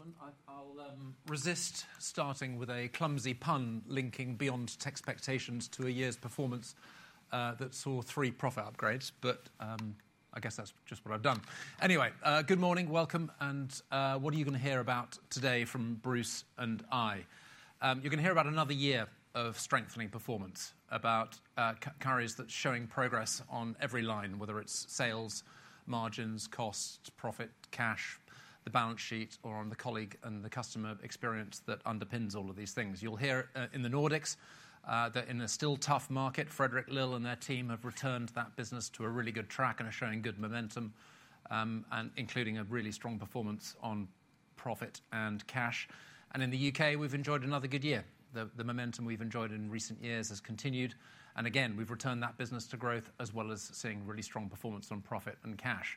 Ladies and gentlemen, I'll resist starting with a clumsy pun linking Beyond Techspectations to a year's performance that saw three profile upgrades, but I guess that's just what I've done. Anyway, good morning, welcome, and what are you going to hear about today from Bruce and I? You're going to hear about another year of strengthening performance, about Currys that are showing progress on every line, whether it's sales, margins, cost, profit, cash, the balance sheet, or on the colleague and the customer experience that underpins all of these things. You'll hear in the Nordics that in a still tough market, Fredrik Tønnesen and their team have returned that business to a really good track and are showing good momentum, including a really strong performance on profit and cash. In the U.K., we've enjoyed another good year. The momentum we've enjoyed in recent years has continued, and again, we've returned that business to growth as well as seeing really strong performance on profit and cash.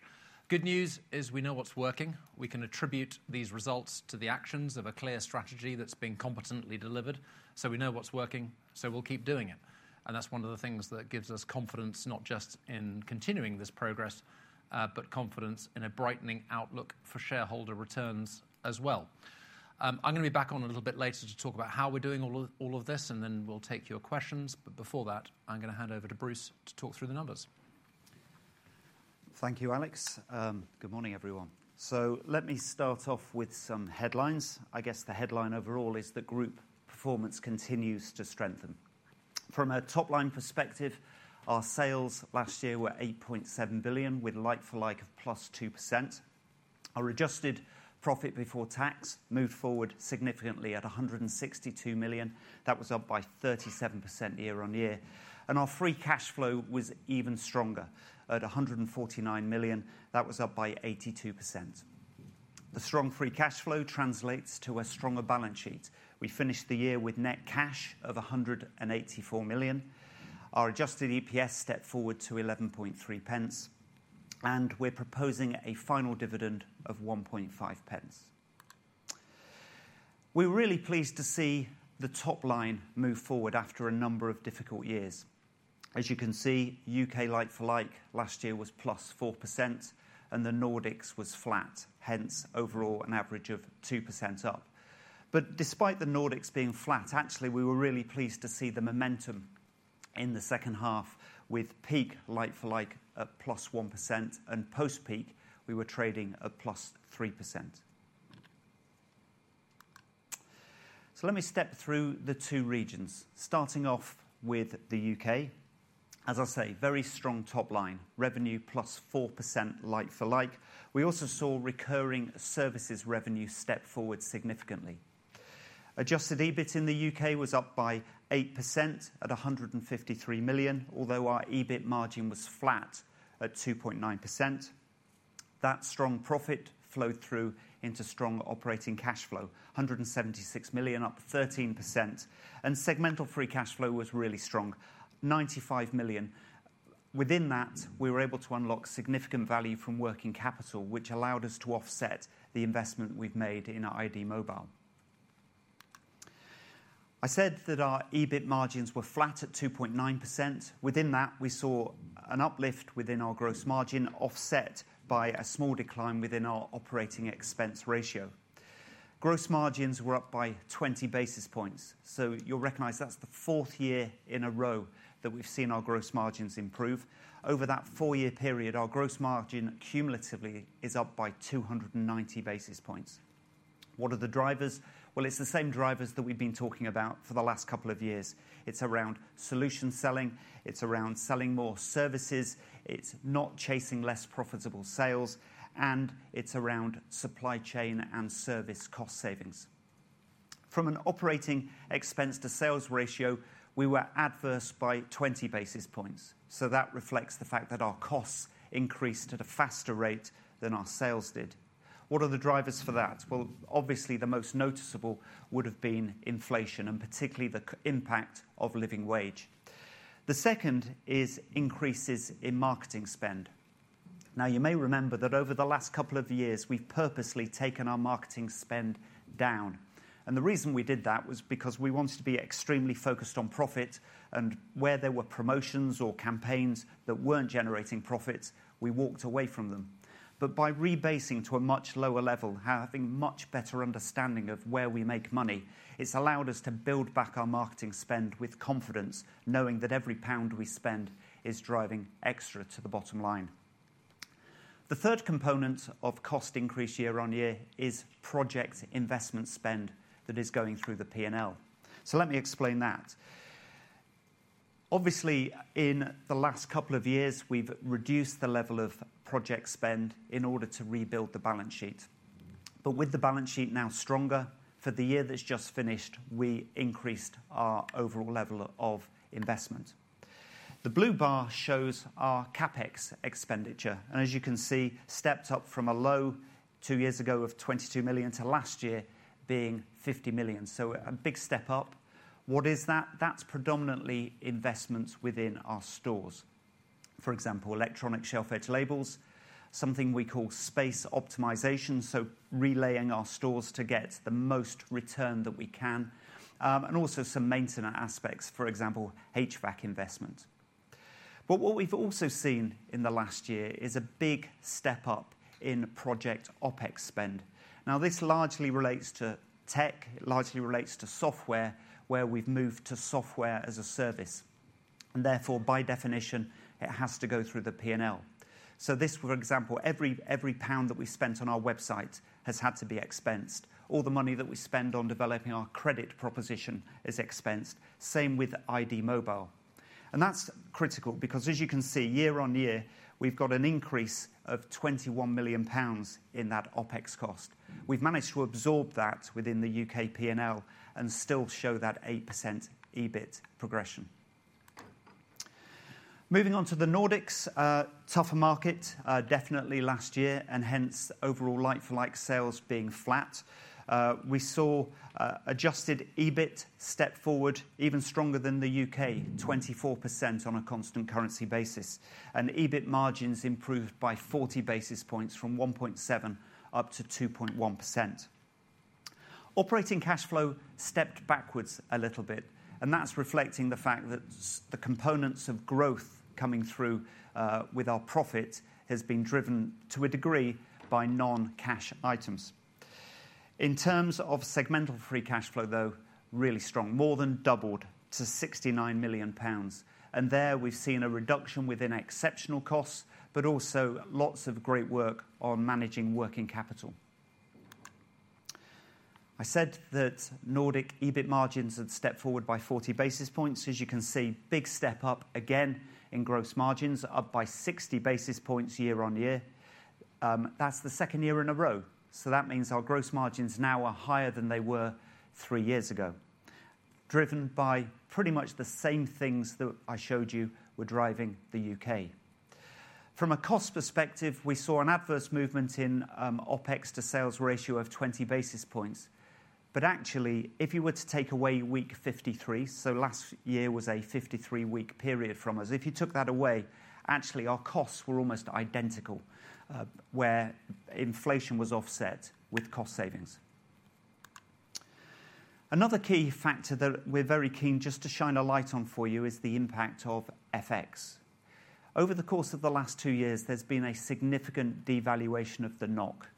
Good news is we know what's working. We can attribute these results to the actions of a clear strategy that's been competently delivered, so we know what's working, so we'll keep doing it. That is one of the things that gives us confidence, not just in continuing this progress, but confidence in a brightening outlook for shareholder returns as well. I'm going to be back on a little bit later to talk about how we're doing all of this, and then we'll take your questions. Before that, I'm going to hand over to Bruce to talk through the numbers. Thank you, Alex. Good morning, everyone. Let me start off with some headlines. I guess the headline overall is that group performance continues to strengthen. From a top-line perspective, our sales last year were 8.7 billion, with a like-for-like of +2%. Our adjusted profit before tax moved forward significantly at 162 million. That was up by 37% year on year. Our free cash flow was even stronger at 149 million. That was up by 82%. The strong free cash flow translates to a stronger balance sheet. We finished the year with net cash of 184 million. Our adjusted EPS stepped forward to 11.30, and we are proposing a final dividend of 1.50. We were really pleased to see the top line move forward after a number of difficult years. As you can see, U.K. like-for-like last year was +4%, and the Nordics was flat, hence overall an average of 2% up. Despite the Nordics being flat, actually, we were really pleased to see the momentum in the second half, with peak like-for-like at +1%, and post-peak, we were trading at +3%. Let me step through the two regions, starting off with the U.K. As I say, very strong top line, revenue +4% like-for-like. We also saw recurring services revenue step forward significantly. Adjusted EBIT in the U.K. was up by 8% at 153 million, although our EBIT margin was flat at 2.9%. That strong profit flowed through into strong operating cash flow, 176 million, up 13%. Segmental free cash flow was really strong, 95 million. Within that, we were able to unlock significant value from working capital, which allowed us to offset the investment we've made in ID Mobile. I said that our EBIT margins were flat at 2.9%. Within that, we saw an uplift within our gross margin offset by a small decline within our operating expense ratio. Gross margins were up by 20 basis points, so you'll recognize that's the fourth year in a row that we've seen our gross margins improve. Over that four-year period, our gross margin cumulatively is up by 290 basis points. What are the drivers? It's the same drivers that we've been talking about for the last couple of years. It's around solution selling, it's around selling more services, it's not chasing less profitable sales, and it's around supply chain and service cost savings. From an operating expense to sales ratio, we were adverse by 20 basis points, so that reflects the fact that our costs increased at a faster rate than our sales did. What are the drivers for that? Obviously, the most noticeable would have been inflation and particularly the impact of living wage. The second is increases in marketing spend. You may remember that over the last couple of years, we've purposely taken our marketing spend down. The reason we did that was because we wanted to be extremely focused on profit, and where there were promotions or campaigns that weren't generating profits, we walked away from them. By rebasing to a much lower level, having a much better understanding of where we make money, it's allowed us to build back our marketing spend with confidence, knowing that every pound we spend is driving extra to the bottom line. The third component of cost increase year on year is project investment spend that is going through the P&L. Let me explain that. Obviously, in the last couple of years, we've reduced the level of project spend in order to rebuild the balance sheet. With the balance sheet now stronger for the year that's just finished, we increased our overall level of investment. The blue bar shows our CapEx expenditure, and as you can see, stepped up from a low two years ago of 22 million to last year being 50 million, so a big step up. What is that? That's predominantly investments within our stores. For example, electronic shelf edge labels, something we call space optimization, so relaying our stores to get the most return that we can, and also some maintenance aspects, for example, HVAC investment. What we have also seen in the last year is a big step up in project OpEx spend. This largely relates to tech, largely relates to software, where we have moved to software as a service. Therefore, by definition, it has to go through the P&L. For example, every pound that we spent on our website has had to be expensed. All the money that we spend on developing our credit proposition is expensed. Same with iD Mobile. That is critical because, as you can see, year on year, we have got an increase of 21 million pounds in that OpEx cost. We've managed to absorb that within the U.K. P&L and still show that 8% EBIT progression. Moving on to the Nordics, tougher market, definitely last year, and hence overall like-for-like sales being flat. We saw adjusted EBIT step forward even stronger than the U.K., 24% on a constant currency basis. EBIT margins improved by 40 basis points from 1.7 up to 2.1%. Operating cash flow stepped backwards a little bit, and that is reflecting the fact that the components of growth coming through with our profit have been driven to a degree by non-cash items. In terms of segmental free cash flow, though, really strong, more than doubled to 69 million pounds. There we have seen a reduction within exceptional costs, but also lots of great work on managing working capital. I said that Nordic EBIT margins had stepped forward by 40 basis points. As you can see, big step up again in gross margins, up by 60 basis points year-on-year. That's the second year in a row, so that means our gross margins now are higher than they were three years ago, driven by pretty much the same things that I showed you were driving the U.K. From a cost perspective, we saw an adverse movement in OpEx to sales ratio of 20 basis points. Actually, if you were to take away week 53, so last year was a 53-week period from us, if you took that away, actually our costs were almost identical, where inflation was offset with cost savings. Another key factor that we're very keen just to shine a light on for you is the impact of FX. Over the course of the last two years, there's been a significant devaluation of the NOK.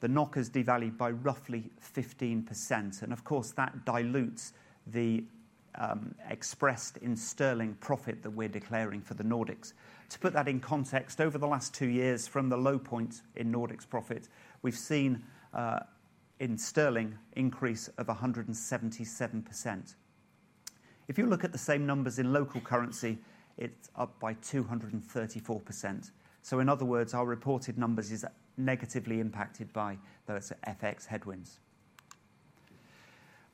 The NOK has devalued by roughly 15%, and of course, that dilutes the expressed in sterling profit that we're declaring for the Nordics. To put that in context, over the last two years, from the low point in Nordics profits, we've seen in sterling an increase of 177%. If you look at the same numbers in local currency, it's up by 234%. In other words, our reported numbers are negatively impacted by those FX headwinds.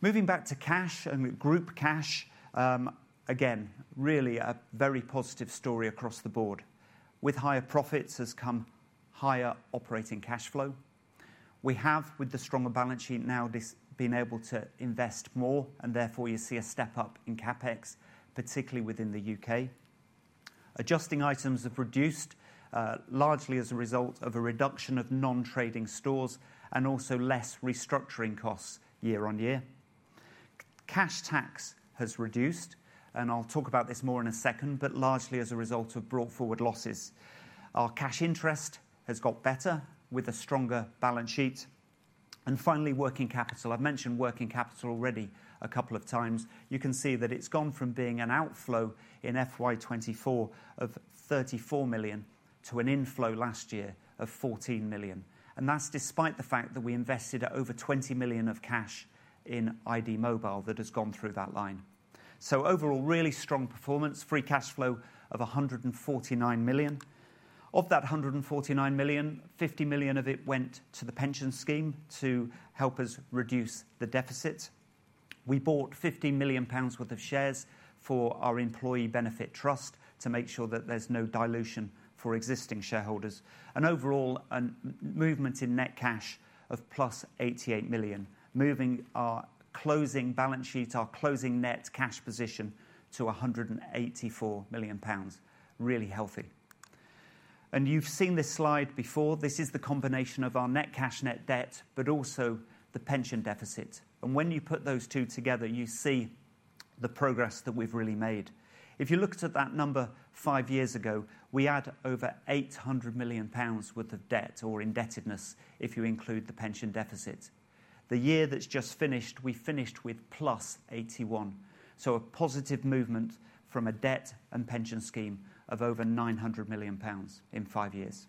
Moving back to cash and group cash, again, really a very positive story across the board. With higher profits has come higher operating cash flow. We have, with the stronger balance sheet now, been able to invest more, and therefore you see a step up in CapEx, particularly within the U.K. Adjusting items have reduced largely as a result of a reduction of non-trading stores and also less restructuring costs year on year. Cash tax has reduced, and I'll talk about this more in a second, but largely as a result of brought forward losses. Our cash interest has got better with a stronger balance sheet. Finally, working capital. I've mentioned working capital already a couple of times. You can see that it's gone from being an outflow in FY2024 of 34 million to an inflow last year of 14 million. That's despite the fact that we invested over 20 million of cash in iD Mobile that has gone through that line. Overall, really strong performance, free cash flow of 149 million. Of that 149 million, 50 million of it went to the pension scheme to help us reduce the deficit. We bought 15 million pounds worth of shares for our employee benefit trust to make sure that there's no dilution for existing shareholders. Overall, a movement in net cash of plus 88 million, moving our closing balance sheet, our closing net cash position to 184 million pounds. Really healthy. You have seen this slide before. This is the combination of our net cash, net debt, but also the pension deficit. When you put those two together, you see the progress that we have really made. If you looked at that number five years ago, we had over 800 million pounds worth of debt or indebtedness if you include the pension deficit. The year that has just finished, we finished with +81 million. A positive movement from a debt and pension scheme of over 900 million pounds in five years.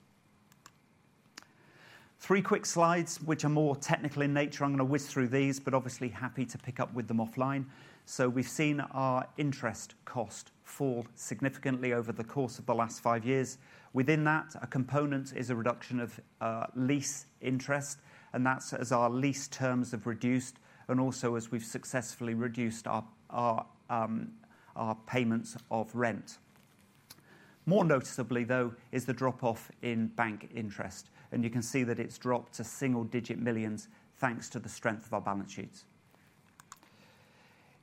Three quick slides, which are more technical in nature. I am going to whiz through these, but obviously happy to pick up with them offline. We have seen our interest cost fall significantly over the course of the last five years. Within that, a component is a reduction of lease interest, and that is as our lease terms have reduced and also as we have successfully reduced our payments of rent. More noticeably, though, is the drop-off in bank interest, and you can see that it has dropped to single-digit millions thanks to the strength of our balance sheets.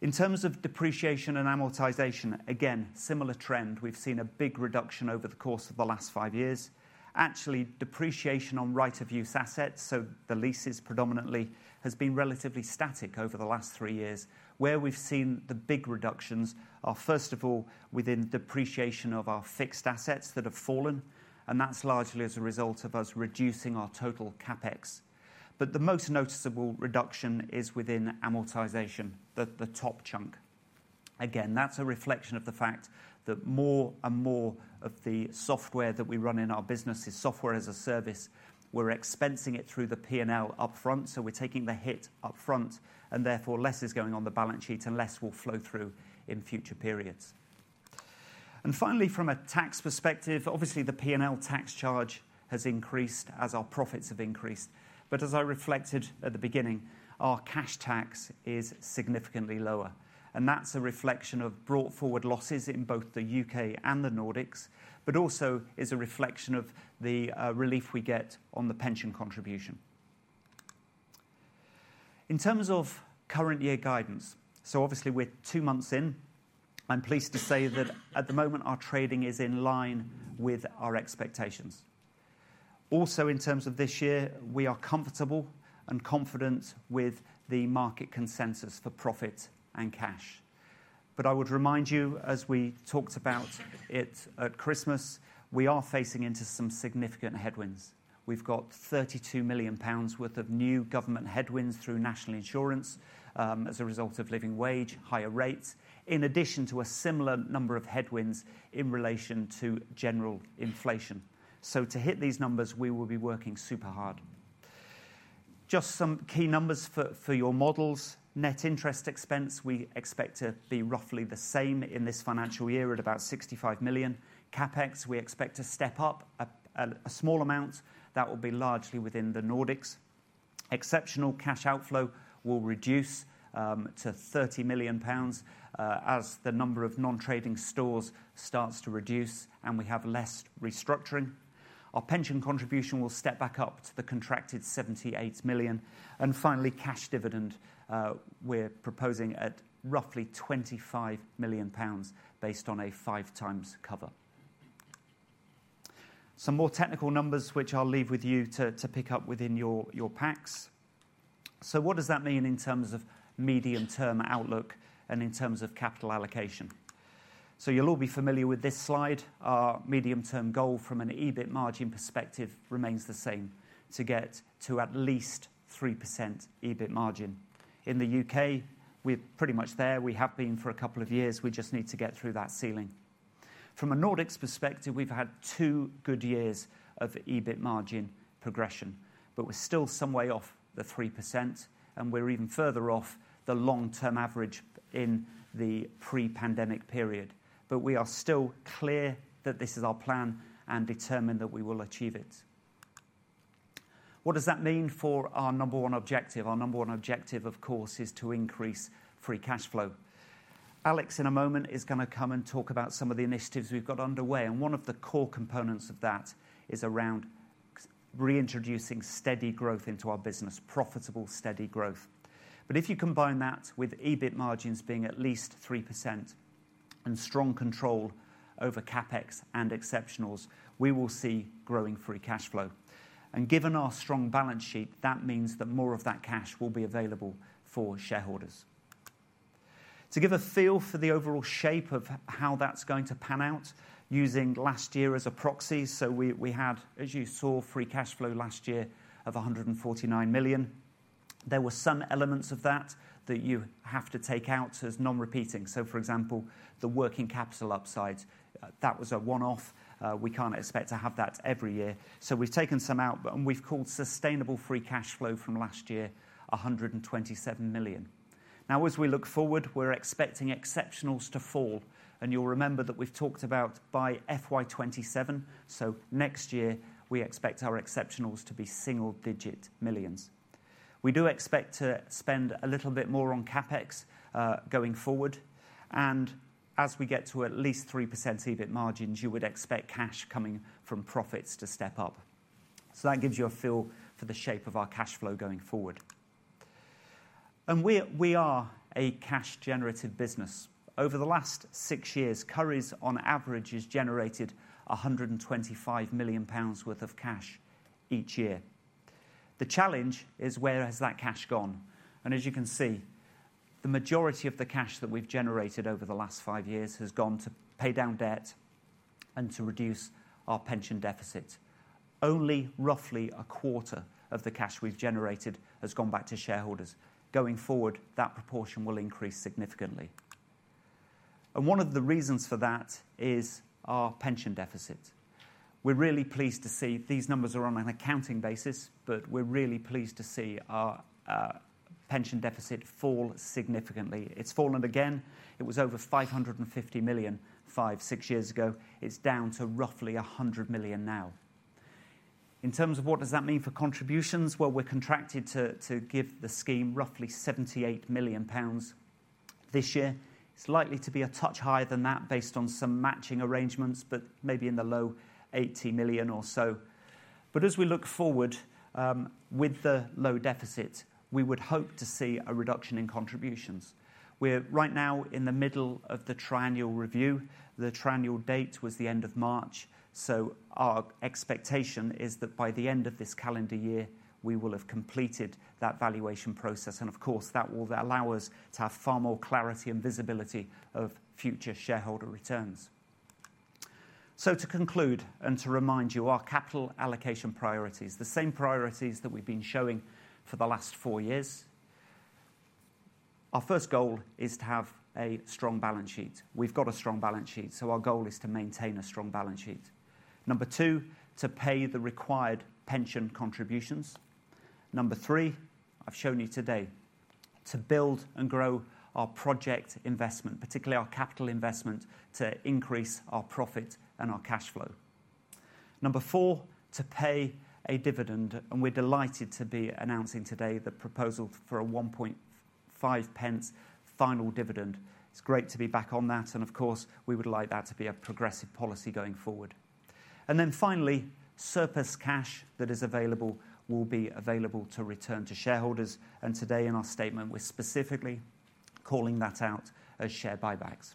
In terms of depreciation and amortization, again, similar trend. We have seen a big reduction over the course of the last five years. Actually, depreciation on right-of-use assets, so the leases predominantly, has been relatively static over the last three years. Where we have seen the big reductions are, first of all, within depreciation of our fixed assets that have fallen, and that is largely as a result of us reducing our total CapEx. The most noticeable reduction is within amortization, the top chunk. Again, that's a reflection of the fact that more and more of the software that we run in our business is software as a service. We're expensing it through the P&L upfront, so we're taking the hit upfront, and therefore less is going on the balance sheet and less will flow through in future periods. Finally, from a tax perspective, obviously the P&L tax charge has increased as our profits have increased. As I reflected at the beginning, our cash tax is significantly lower, and that's a reflection of brought forward losses in both the U.K. and the Nordics, but also is a reflection of the relief we get on the pension contribution. In terms of current year guidance, so obviously we're two months in, I'm pleased to say that at the moment our trading is in line with our expectations. Also, in terms of this year, we are comfortable and confident with the market consensus for profit and cash. I would remind you, as we talked about it at Christmas, we are facing into some significant headwinds. We've got 32 million pounds worth of new government headwinds through national insurance as a result of living wage, higher rates, in addition to a similar number of headwinds in relation to general inflation. To hit these numbers, we will be working super hard. Just some key numbers for your models. Net interest expense we expect to be roughly the same in this financial year at about 65 million. CapEx, we expect to step up a small amount. That will be largely within the Nordics. Exceptional cash outflow will reduce to 30 million pounds as the number of non-trading stores starts to reduce and we have less restructuring. Our pension contribution will step back up to the contracted 78 million. Finally, cash dividend, we're proposing at roughly GBP 25 million based on a five times cover. Some more technical numbers, which I'll leave with you to pick up within your packs. What does that mean in terms of medium-term outlook and in terms of capital allocation? You'll all be familiar with this slide. Our medium-term goal from an EBIT margin perspective remains the same: to get to at least 3% EBIT margin. In the U.K., we're pretty much there. We have been for a couple of years. We just need to get through that ceiling. From a Nordics perspective, we've had two good years of EBIT margin progression, but we're still some way off the 3%, and we're even further off the long-term average in the pre-pandemic period. We are still clear that this is our plan and determined that we will achieve it. What does that mean for our number one objective? Our number one objective, of course, is to increase free cash flow. Alex, in a moment, is going to come and talk about some of the initiatives we've got underway, and one of the core components of that is around reintroducing steady growth into our business, profitable steady growth. If you combine that with EBIT margins being at least 3% and strong control over CapEx and exceptionals, we will see growing free cash flow. Given our strong balance sheet, that means that more of that cash will be available for shareholders. To give a feel for the overall shape of how that is going to pan out, using last year as a proxy, we had, as you saw, free cash flow last year of 149 million. There were some elements of that that you have to take out as non-repeating. For example, the working capital upside, that was a one-off. We cannot expect to have that every year. We have taken some out, and we have called sustainable free cash flow from last year 127 million. Now, as we look forward, we are expecting exceptionals to fall, and you will remember that we have talked about by FY2027. Next year, we expect our exceptionals to be single-digit millions. We do expect to spend a little bit more on CapEx going forward, and as we get to at least 3% EBIT margins, you would expect cash coming from profits to step up. That gives you a feel for the shape of our cash flow going forward. We are a cash-generated business. Over the last six years, Currys, on average, has generated 125 million pounds worth of cash each year. The challenge is, where has that cash gone? As you can see, the majority of the cash that we've generated over the last five years has gone to pay down debt and to reduce our pension deficit. Only roughly a quarter of the cash we've generated has gone back to shareholders. Going forward, that proportion will increase significantly. One of the reasons for that is our pension deficit. We're really pleased to see these numbers are on an accounting basis, but we're really pleased to see our pension deficit fall significantly. It's fallen again. It was over 550 million five, six years ago. It's down to roughly 100 million now. In terms of what does that mean for contributions? We're contracted to give the scheme roughly 78 million pounds this year. It's likely to be a touch higher than that based on some matching arrangements, but maybe in the low 80 million or so. As we look forward with the low deficit, we would hope to see a reduction in contributions. We're right now in the middle of the triennial review. The triennial date was the end of March, so our expectation is that by the end of this calendar year, we will have completed that valuation process. Of course, that will allow us to have far more clarity and visibility of future shareholder returns. To conclude and to remind you, our capital allocation priorities, the same priorities that we have been showing for the last four years. Our first goal is to have a strong balance sheet. We have a strong balance sheet, so our goal is to maintain a strong balance sheet. Number two, to pay the required pension contributions. Number three, I have shown you today, to build and grow our project investment, particularly our capital investment, to increase our profit and our cash flow. Number four, to pay a dividend, and we are delighted to be announcing today the proposal for a 1.50 final dividend. It is great to be back on that, and we would like that to be a progressive policy going forward. Then finally, surplus cash that is available will be available to return to shareholders. Today, in our statement, we're specifically calling that out as share buybacks.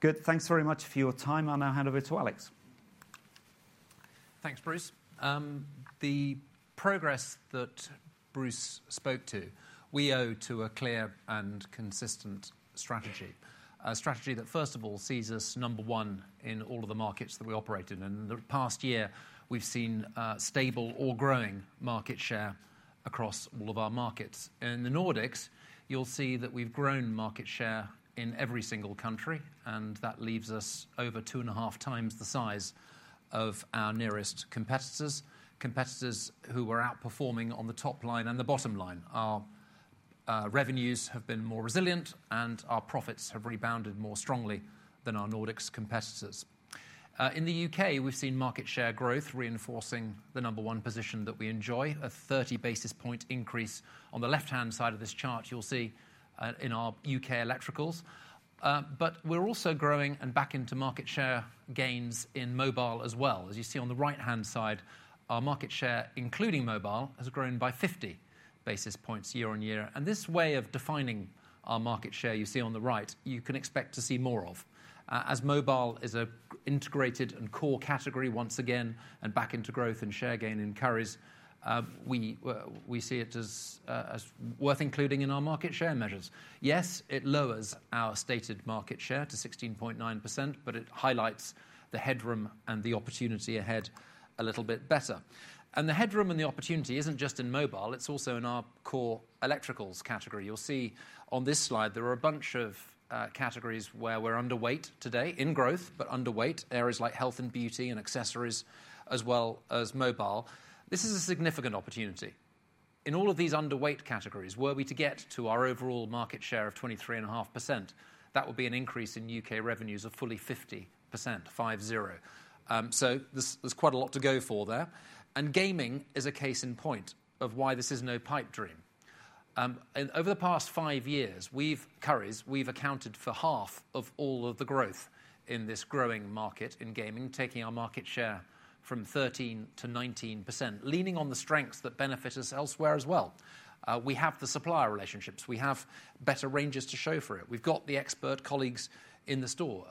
Good. Thanks very much for your time. I'll now hand over to Alex. Thanks, Bruce. The progress that Bruce spoke to, we owe to a clear and consistent strategy. A strategy that, first of all, sees us number one in all of the markets that we operate in. In the past year, we've seen stable or growing market share across all of our markets. In the Nordics, you'll see that we've grown market share in every single country, and that leaves us over two and a half times the size of our nearest competitors, competitors who are outperforming on the top line and the bottom line. Our revenues have been more resilient, and our profits have rebounded more strongly than our Nordics competitors. In the U.K., we've seen market share growth reinforcing the number one position that we enjoy, a 30 basis point increase on the left-hand side of this chart you'll see in our U.K. electricals. We're also growing and back into market share gains in mobile as well. You see on the right-hand side, our market share, including mobile, has grown by 50 basis points year on year. This way of defining our market share you see on the right, you can expect to see more of. As mobile is an integrated and core category once again, and back into growth and share gain in Currys, we see it as worth including in our market share measures. Yes, it lowers our stated market share to 16.9%, but it highlights the headroom and the opportunity ahead a little bit better. The headroom and the opportunity is not just in mobile, it is also in our core electricals category. You will see on this slide there are a bunch of categories where we are underweight today in growth, but underweight areas like health and beauty and accessories, as well as mobile. This is a significant opportunity. In all of these underweight categories, were we to get to our overall market share of 23.5%, that would be an increase in U.K. revenues of fully 50%, 5-0. There is quite a lot to go for there. Gaming is a case in point of why this is no pipe dream. Over the past five years, we've at Currys, we've accounted for half of all of the growth in this growing market in gaming, taking our market share from 13% to 19%, leaning on the strengths that benefit us elsewhere as well. We have the supplier relationships. We have better ranges to show for it. We've got the expert colleagues in the store.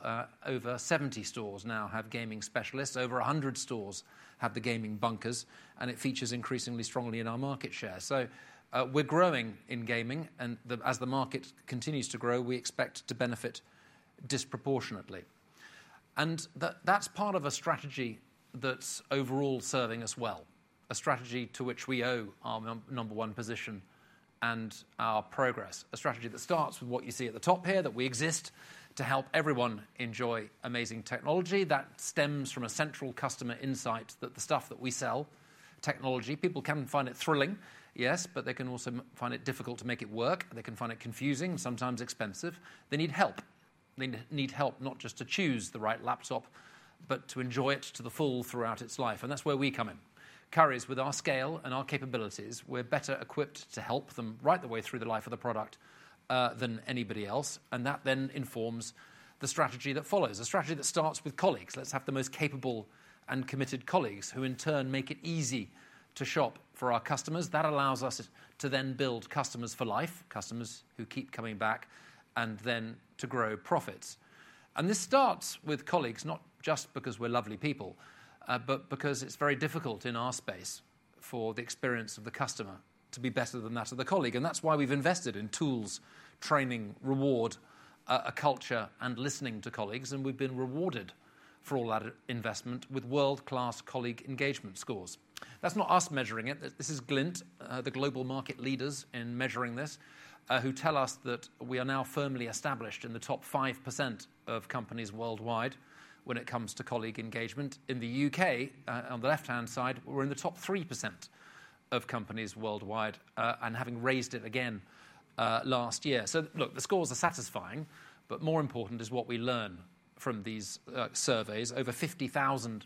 Over 70 stores now have gaming specialists. Over 100 stores have the gaming bunkers, and it features increasingly strongly in our market share. We are growing in gaming, and as the market continues to grow, we expect to benefit disproportionately. That is part of a strategy that is overall serving us well, a strategy to which we owe our number one position and our progress, a strategy that starts with what you see at the top here, that we exist to help everyone enjoy amazing technology. That stems from a central customer insight that the stuff that we sell, technology, people can find it thrilling, yes, but they can also find it difficult to make it work. They can find it confusing and sometimes expensive. They need help. They need help not just to choose the right laptop, but to enjoy it to the full throughout its life. That is where we come in. Currys, with our scale and our capabilities, we are better equipped to help them right the way through the life of the product than anybody else. That then informs the strategy that follows, a strategy that starts with colleagues. Let's have the most capable and committed colleagues who in turn make it easy to shop for our customers. That allows us to then build customers for life, customers who keep coming back, and then to grow profits. This starts with colleagues, not just because we're lovely people, but because it's very difficult in our space for the experience of the customer to be better than that of the colleague. That's why we've invested in tools, training, reward, a culture, and listening to colleagues. We've been rewarded for all that investment with world-class colleague engagement scores. That's not us measuring it. This is Glint, the global market leaders in measuring this, who tell us that we are now firmly established in the top 5% of companies worldwide when it comes to colleague engagement. In the U.K., on the left-hand side, we're in the top 3% of companies worldwide and having raised it again last year. The scores are satisfying, but more important is what we learn from these surveys, over 50,000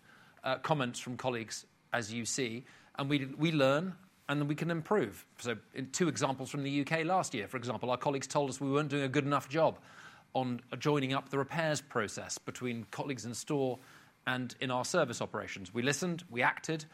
comments from colleagues, as you see. We learn, and then we can improve. Two examples from the U.K. last year, for example, our colleagues told us we were not doing a good enough job on joining up the repairs process between colleagues in store and in our service operations. We listened, we acted,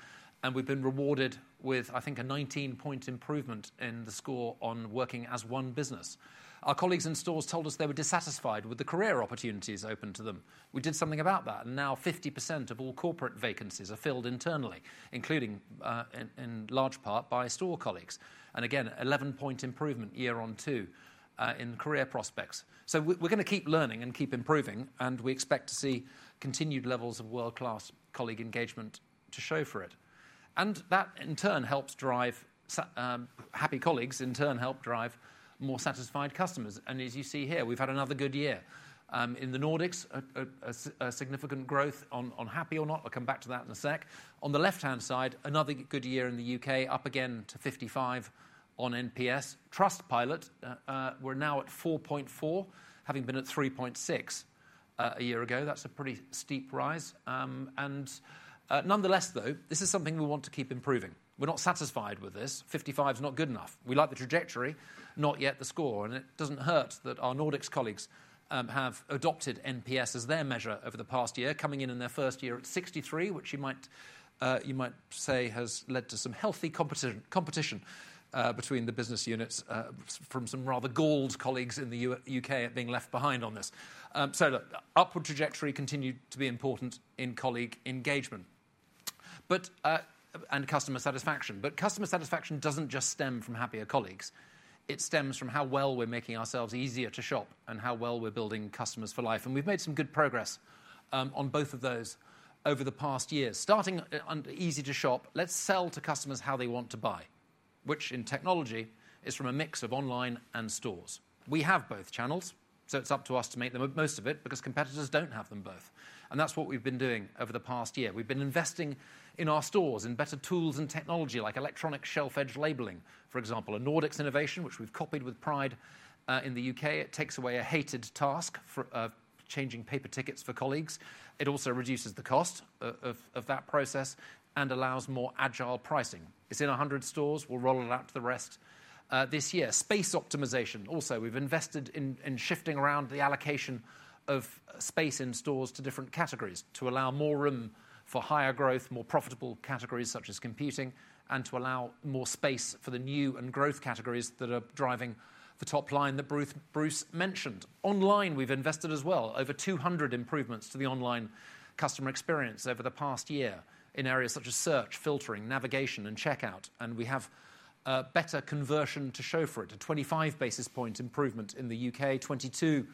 and we have been rewarded with, I think, a 19-point improvement in the score on working as one business. Our colleagues in stores told us they were dissatisfied with the career opportunities open to them. We did something about that, and now 50% of all corporate vacancies are filled internally, including in large part by store colleagues. Again, an 11-point improvement year on two in career prospects. We are going to keep learning and keep improving, and we expect to see continued levels of world-class colleague engagement to show for it. That, in turn, helps drive happy colleagues, in turn, help drive more satisfied customers. As you see here, we've had another good year. In the Nordics, a significant growth on happy or not. I'll come back to that in a sec. On the left-hand side, another good year in the U.K., up again to 55 on NPS. Trustpilot, we're now at 4.4, having been at 3.6 a year ago. That's a pretty steep rise. Nonetheless, though, this is something we want to keep improving. We're not satisfied with this. 55 is not good enough. We like the trajectory, not yet the score. It does not hurt that our Nordics colleagues have adopted NPS as their measure over the past year, coming in in their first year at 63, which you might say has led to some healthy competition between the business units from some rather galled colleagues in the U.K. at being left behind on this. Upward trajectory continued to be important in colleague engagement and customer satisfaction. Customer satisfaction does not just stem from happier colleagues. It stems from how well we are making ourselves easier to shop and how well we are building customers for life. We have made some good progress on both of those over the past year. Starting easy to shop, let's sell to customers how they want to buy, which in technology is from a mix of online and stores. We have both channels, so it's up to us to make the most of it because competitors don't have them both. That's what we've been doing over the past year. We've been investing in our stores in better tools and technology like electronic shelf edge labeling, for example, a Nordics innovation which we've copied with pride in the U.K. It takes away a hated task of changing paper tickets for colleagues. It also reduces the cost of that process and allows more agile pricing. It's in 100 stores. We'll roll it out to the rest this year. Space optimization. Also, we've invested in shifting around the allocation of space in stores to different categories to allow more room for higher growth, more profitable categories such as computing, and to allow more space for the new and growth categories that are driving the top line that Bruce mentioned. Online, we've invested as well, over 200 improvements to the online customer experience over the past year in areas such as search, filtering, navigation, and checkout. We have better conversion to show for it, a 25 basis point improvement in the U.K., 22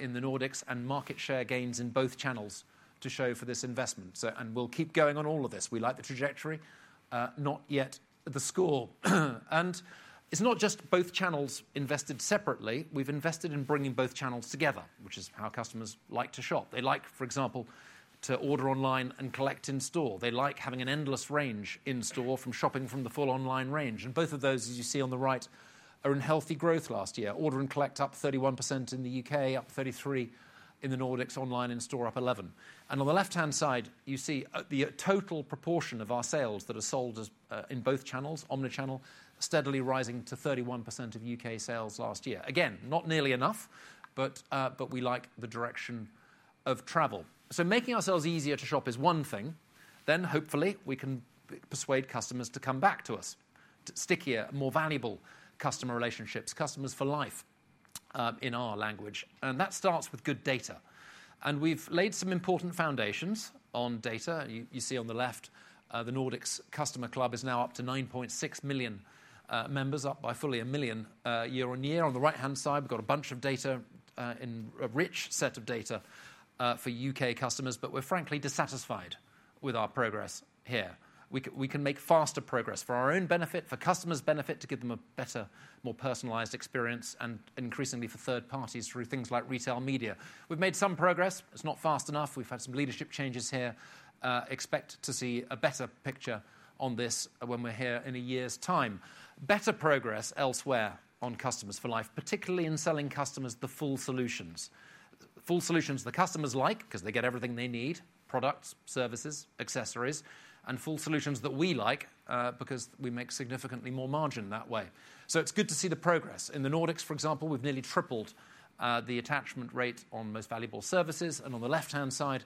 in the Nordics, and market share gains in both channels to show for this investment. We will keep going on all of this. We like the trajectory, not yet the score. It is not just both channels invested separately. We have invested in bringing both channels together, which is how customers like to shop. They like, for example, to order online and collect in store. They like having an endless range in store from shopping from the full online range. Both of those, as you see on the right, are in healthy growth last year. Order and collect up 31% in the U.K., up 33% in the Nordics online in store, up 11%. On the left-hand side, you see the total proportion of our sales that are sold in both channels, omnichannel, steadily rising to 31% of U.K. sales last year. Not nearly enough, but we like the direction of travel. Making ourselves easier to shop is one thing. Hopefully, we can persuade customers to come back to us, to stickier, more valuable customer relationships, customers for life in our language. That starts with good data. We have laid some important foundations on data. You see on the left, the Nordics customer club is now up to 9.6 million members, up by fully 1 million year-on-year. On the right-hand side, we've got a bunch of data, a rich set of data for U.K. customers, but we're frankly dissatisfied with our progress here. We can make faster progress for our own benefit, for customers' benefit, to give them a better, more personalized experience, and increasingly for third parties through things like retail media. We've made some progress. It's not fast enough. We've had some leadership changes here. Expect to see a better picture on this when we're here in a year's time. Better progress elsewhere on customers for life, particularly in selling customers the full solutions, full solutions the customers like because they get everything they need, products, services, accessories, and full solutions that we like because we make significantly more margin that way. It's good to see the progress. In the Nordics, for example, we've nearly tripled the attachment rate on most valuable services. On the left-hand side,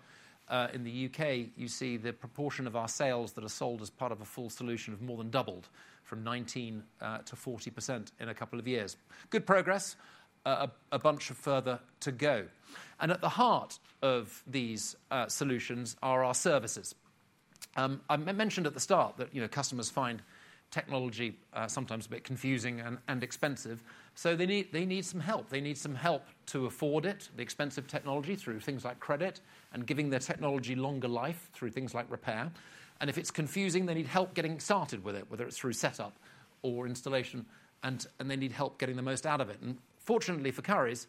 in the U.K., you see the proportion of our sales that are sold as part of a full solution have more than doubled from 19% to 40% in a couple of years. Good progress, a bunch of further to go. At the heart of these solutions are our services. I mentioned at the start that customers find technology sometimes a bit confusing and expensive. They need some help. They need some help to afford it, the expensive technology through things like credit and giving their technology longer life through things like repair. If it is confusing, they need help getting started with it, whether it is through setup or installation, and they need help getting the most out of it. Fortunately for Currys,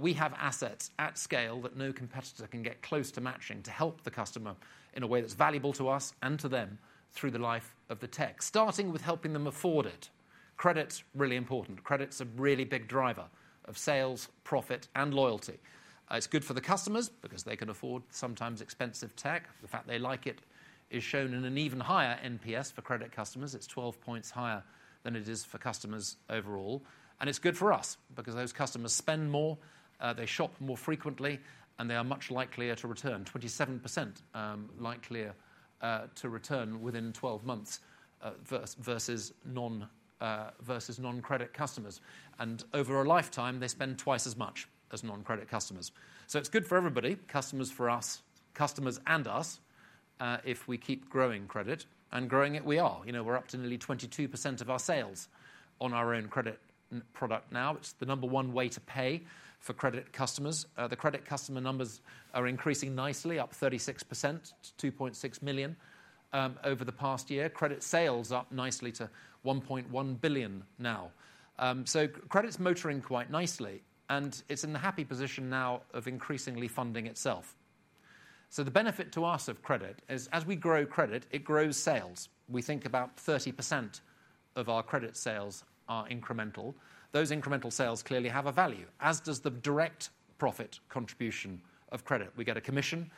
we have assets at scale that no competitor can get close to matching to help the customer in a way that's valuable to us and to them through the life of the tech, starting with helping them afford it. Credit's really important. Credit's a really big driver of sales, profit, and loyalty. It's good for the customers because they can afford sometimes expensive tech. The fact they like it is shown in an even higher NPS for credit customers. It's 12 points higher than it is for customers overall. It's good for us because those customers spend more, they shop more frequently, and they are much likelier to return, 27% likelier to return within 12 months versus non-credit customers. Over a lifetime, they spend twice as much as non-credit customers. It is good for everybody, customers and us, if we keep growing credit. And growing it, we are. We are up to nearly 22% of our sales on our own credit product now. It is the number one way to pay for credit customers. The credit customer numbers are increasing nicely, up 36% to 2.6 million over the past year. Credit sales are up nicely to 1.1 billion now. Credit is motoring quite nicely, and it is in the happy position now of increasingly funding itself. The benefit to us of credit is, as we grow credit, it grows sales. We think about 30% of our credit sales are incremental. Those incremental sales clearly have a value, as does the direct profit contribution of credit. We get a commission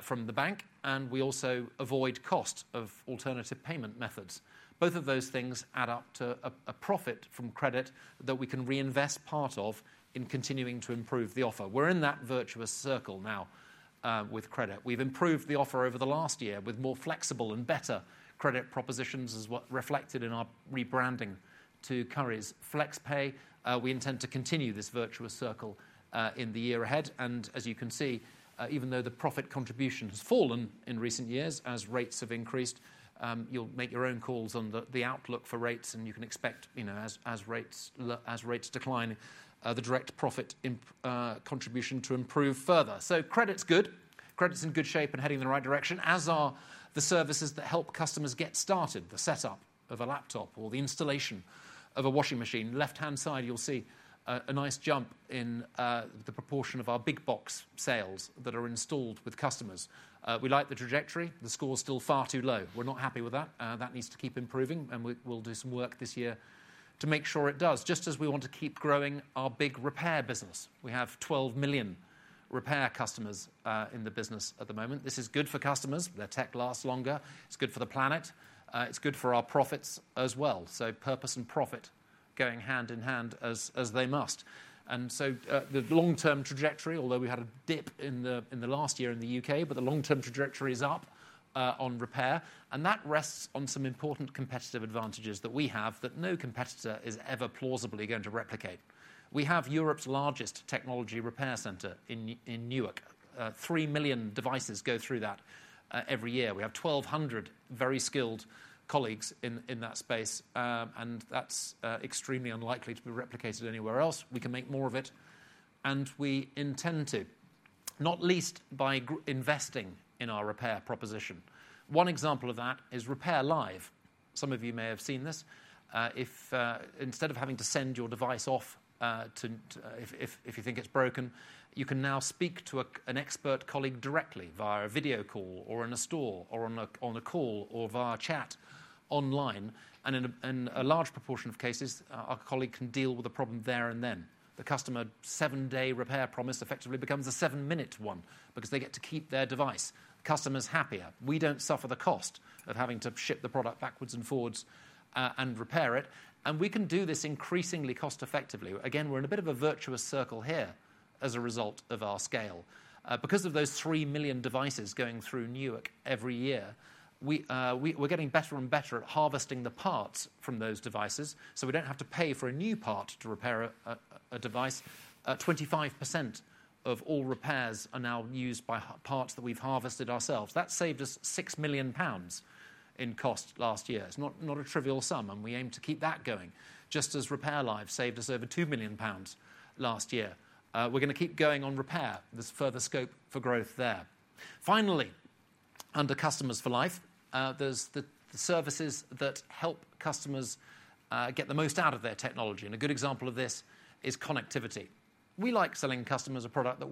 from the bank, and we also avoid cost of alternative payment methods. Both of those things add up to a profit from credit that we can reinvest part of in continuing to improve the offer. We're in that virtuous circle now with credit. We've improved the offer over the last year with more flexible and better credit propositions as reflected in our rebranding to Currys flexpay. We intend to continue this virtuous circle in the year ahead. As you can see, even though the profit contribution has fallen in recent years as rates have increased, you'll make your own calls on the outlook for rates, and you can expect as rates decline, the direct profit contribution to improve further. Credit's good. Credit's in good shape and heading in the right direction, as are the services that help customers get started, the setup of a laptop or the installation of a washing machine. Left-hand side, you'll see a nice jump in the proportion of our big box sales that are installed with customers. We like the trajectory. The score's still far too low. We're not happy with that. That needs to keep improving, and we'll do some work this year to make sure it does, just as we want to keep growing our big repair business. We have 12 million repair customers in the business at the moment. This is good for customers. Their tech lasts longer. It's good for the planet. It's good for our profits as well. Purpose and profit going hand in hand as they must. The long-term trajectory, although we had a dip in the last year in the U.K., the long-term trajectory is up on repair. That rests on some important competitive advantages that we have that no competitor is ever plausibly going to replicate. We have Europe's largest technology repair center in Newark. Three million devices go through that every year. We have 1,200 very skilled colleagues in that space, and that's extremely unlikely to be replicated anywhere else. We can make more of it, and we intend to, not least by investing in our repair proposition. One example of that is RepairLive. Some of you may have seen this. Instead of having to send your device off if you think it's broken, you can now speak to an expert colleague directly via a video call or in a store or on a call or via chat online. In a large proportion of cases, our colleague can deal with the problem there and then. The customer's seven-day repair promise effectively becomes a seven-minute one because they get to keep their device. Customer's happier. We do not suffer the cost of having to ship the product backwards and forwards and repair it. We can do this increasingly cost-effectively. Again, we are in a bit of a virtuous circle here as a result of our scale. Because of those 3 million devices going through Newark every year, we are getting better and better at harvesting the parts from those devices so we do not have to pay for a new part to repair a device. 25% of all repairs are now used by parts that we have harvested ourselves. That saved us 6 million pounds in cost last year. It is not a trivial sum, and we aim to keep that going, just as RepairLive saved us over 2 million pounds last year. We are going to keep going on repair. There's further scope for growth there. Finally, under Customers for Life, there's the services that help customers get the most out of their technology. A good example of this is connectivity. We like selling customers a product that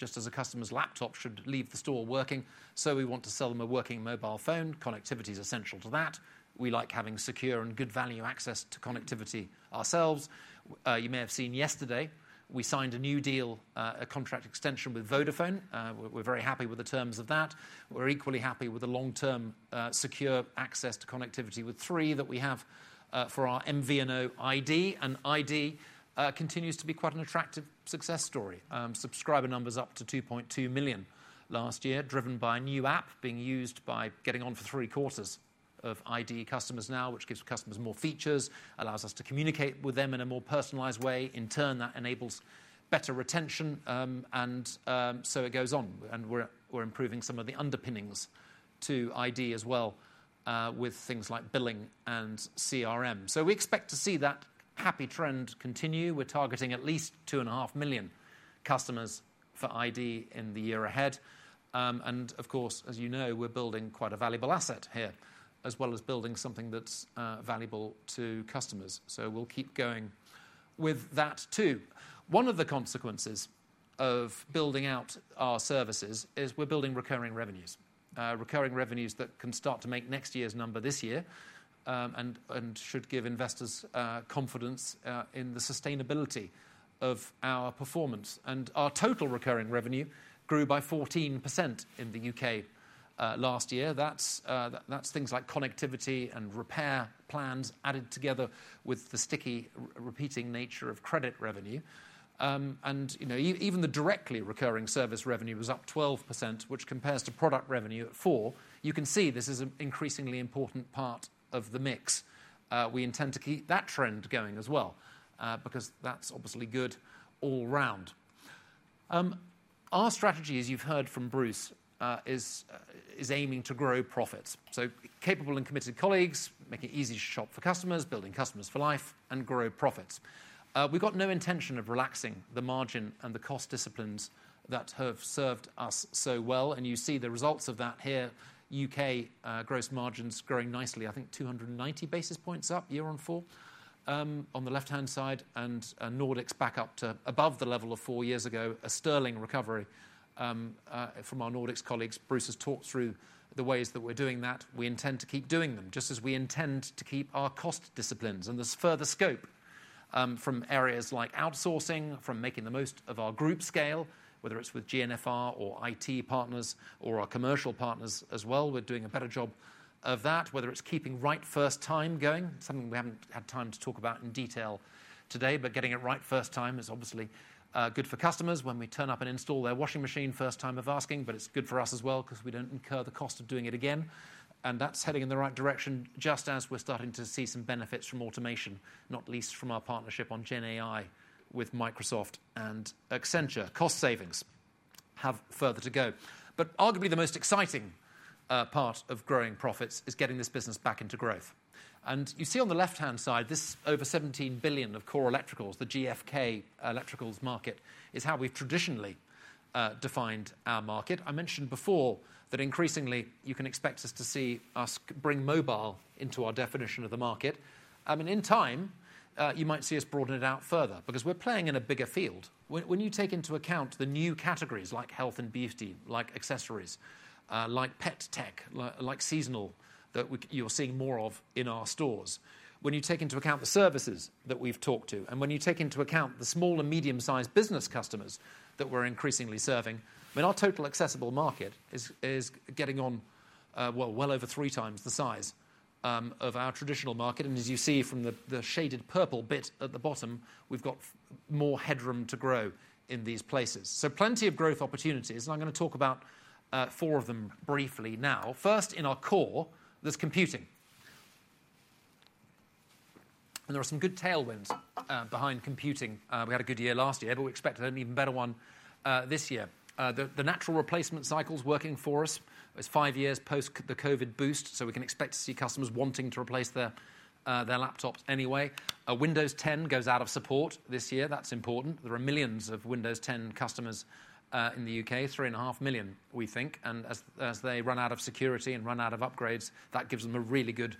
works, just as a customer's laptop should leave the store working. We want to sell them a working mobile phone. Connectivity is essential to that. We like having secure and good value access to connectivity ourselves. You may have seen yesterday, we signed a new deal, a contract extension with Vodafone. We're very happy with the terms of that. We're equally happy with the long-term secure access to connectivity with Three that we have for our MVNO ID. ID continues to be quite an attractive success story. Subscriber numbers up to 2.2 million last year, driven by a new app being used by getting on for three quarters of ID customers now, which gives customers more features, allows us to communicate with them in a more personalized way. In turn, that enables better retention, and it goes on. We are improving some of the underpinnings to ID as well with things like billing and CRM. We expect to see that happy trend continue. We are targeting at least 2.5 million customers for ID in the year ahead. Of course, as you know, we are building quite a valuable asset here, as well as building something that is valuable to customers. We will keep going with that too. One of the consequences of building out our services is we're building recurring revenues, recurring revenues that can start to make next year's number this year and should give investors confidence in the sustainability of our performance. Our total recurring revenue grew by 14% in the U.K. last year. That's things like connectivity and repair plans added together with the sticky, repeating nature of credit revenue. Even the directly recurring service revenue was up 12%, which compares to product revenue at 4%. You can see this is an increasingly important part of the mix. We intend to keep that trend going as well because that's obviously good all round. Our strategy, as you've heard from Bruce, is aiming to grow profits. So capable and committed colleagues, making it easy to shop for customers, building customers for life, and grow profits. We've got no intention of relaxing the margin and the cost disciplines that have served us so well. You see the results of that here. U.K. gross margins growing nicely, I think 290 basis points up year on year on the left-hand side, and Nordics back up to above the level of four years ago, a sterling recovery from our Nordics colleagues. Bruce has talked through the ways that we're doing that. We intend to keep doing them, just as we intend to keep our cost disciplines. There is further scope from areas like outsourcing, from making the most of our group scale, whether it is with GNFR or IT partners or our commercial partners as well. We're doing a better job of that, whether it's keeping right first time going, something we haven't had time to talk about in detail today, but getting it right first time is obviously good for customers when we turn up and install their washing machine first time of asking, but it's good for us as well because we don't incur the cost of doing it again. That's heading in the right direction, just as we're starting to see some benefits from automation, not least from our partnership on Gen AI with Microsoft and Accenture. Cost savings have further to go. Arguably the most exciting part of growing profits is getting this business back into growth. You see on the left-hand side, this over 17 billion of core electricals, the GfK electricals market, is how we've traditionally defined our market. I mentioned before that increasingly you can expect us to see us bring mobile into our definition of the market. I mean, in time, you might see us broaden it out further because we're playing in a bigger field. When you take into account the new categories like health and beauty, like accessories, like pet tech, like seasonal that you're seeing more of in our stores, when you take into account the services that we've talked to, and when you take into account the small and medium-sized business customers that we're increasingly serving, I mean, our total accessible market is getting on, well over three times the size of our traditional market. As you see from the shaded purple bit at the bottom, we've got more headroom to grow in these places. Plenty of growth opportunities, and I'm going to talk about four of them briefly now. First, in our core, there's computing. There are some good tailwinds behind computing. We had a good year last year, but we expect an even better one this year. The natural replacement cycle's working for us. It's five years post the COVID boost, so we can expect to see customers wanting to replace their laptops anyway. Windows 10 goes out of support this year. That's important. There are millions of Windows 10 customers in the U.K., 3.5 million, we think. As they run out of security and run out of upgrades, that gives them a really good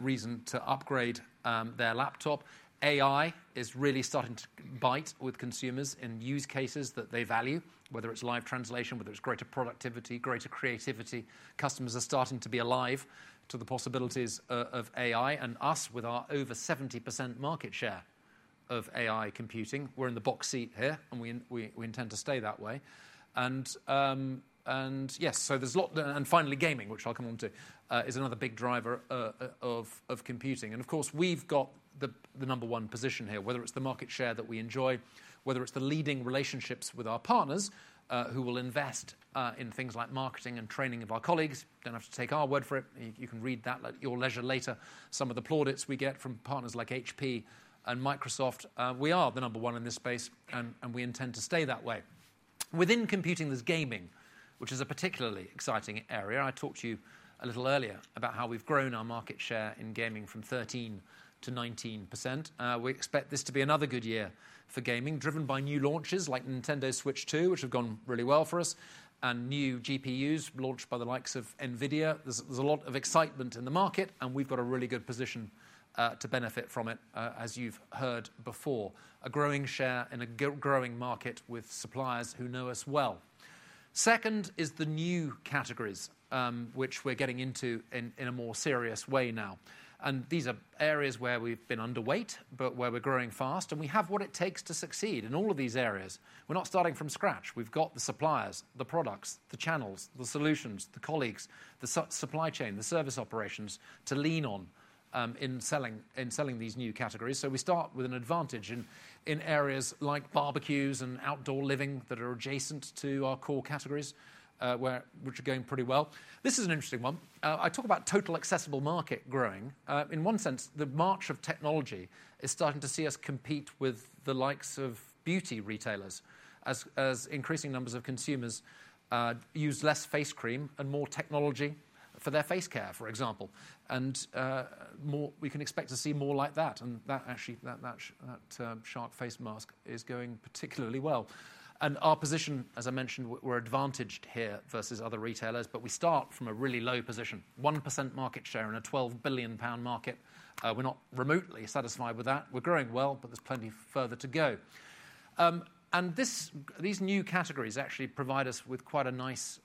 reason to upgrade their laptop. AI is really starting to bite with consumers in use cases that they value, whether it's live translation, whether it's greater productivity, greater creativity. Customers are starting to be alive to the possibilities of AI. With our over 70% market share of AI computing, we're in the box seat here, and we intend to stay that way. Yes, there's a lot. Finally, gaming, which I'll come on to, is another big driver of computing. Of course, we've got the number one position here, whether it's the market share that we enjoy, whether it's the leading relationships with our partners who will invest in things like marketing and training of our colleagues. You do not have to take our word for it. You can read that at your leisure later. Some of the plaudits we get from partners like HP and Microsoft. We are the number one in this space, and we intend to stay that way. Within computing, there's gaming, which is a particularly exciting area. I talked to you a little earlier about how we've grown our market share in gaming from 13% to 19%. We expect this to be another good year for gaming, driven by new launches like Nintendo Switch 2, which have gone really well for us, and new GPUs launched by the likes of NVIDIA. There's a lot of excitement in the market, and we've got a really good position to benefit from it, as you've heard before, a growing share in a growing market with suppliers who know us well. Second is the new categories, which we're getting into in a more serious way now. These are areas where we've been underweight, but where we're growing fast, and we have what it takes to succeed in all of these areas. We're not starting from scratch. We've got the suppliers, the products, the channels, the solutions, the colleagues, the supply chain, the service operations to lean on in selling these new categories. We start with an advantage in areas like barbecues and outdoor living that are adjacent to our core categories, which are going pretty well. This is an interesting one. I talk about total accessible market growing. In one sense, the march of technology is starting to see us compete with the likes of beauty retailers as increasing numbers of consumers use less face cream and more technology for their face care, for example. We can expect to see more like that. Actually, that Shark Face Mask is going particularly well. Our position, as I mentioned, we're advantaged here versus other retailers, but we start from a really low position, 1% market share in a 12 billion pound market. We're not remotely satisfied with that. We're growing well, but there's plenty further to go. These new categories actually provide us with quite a nice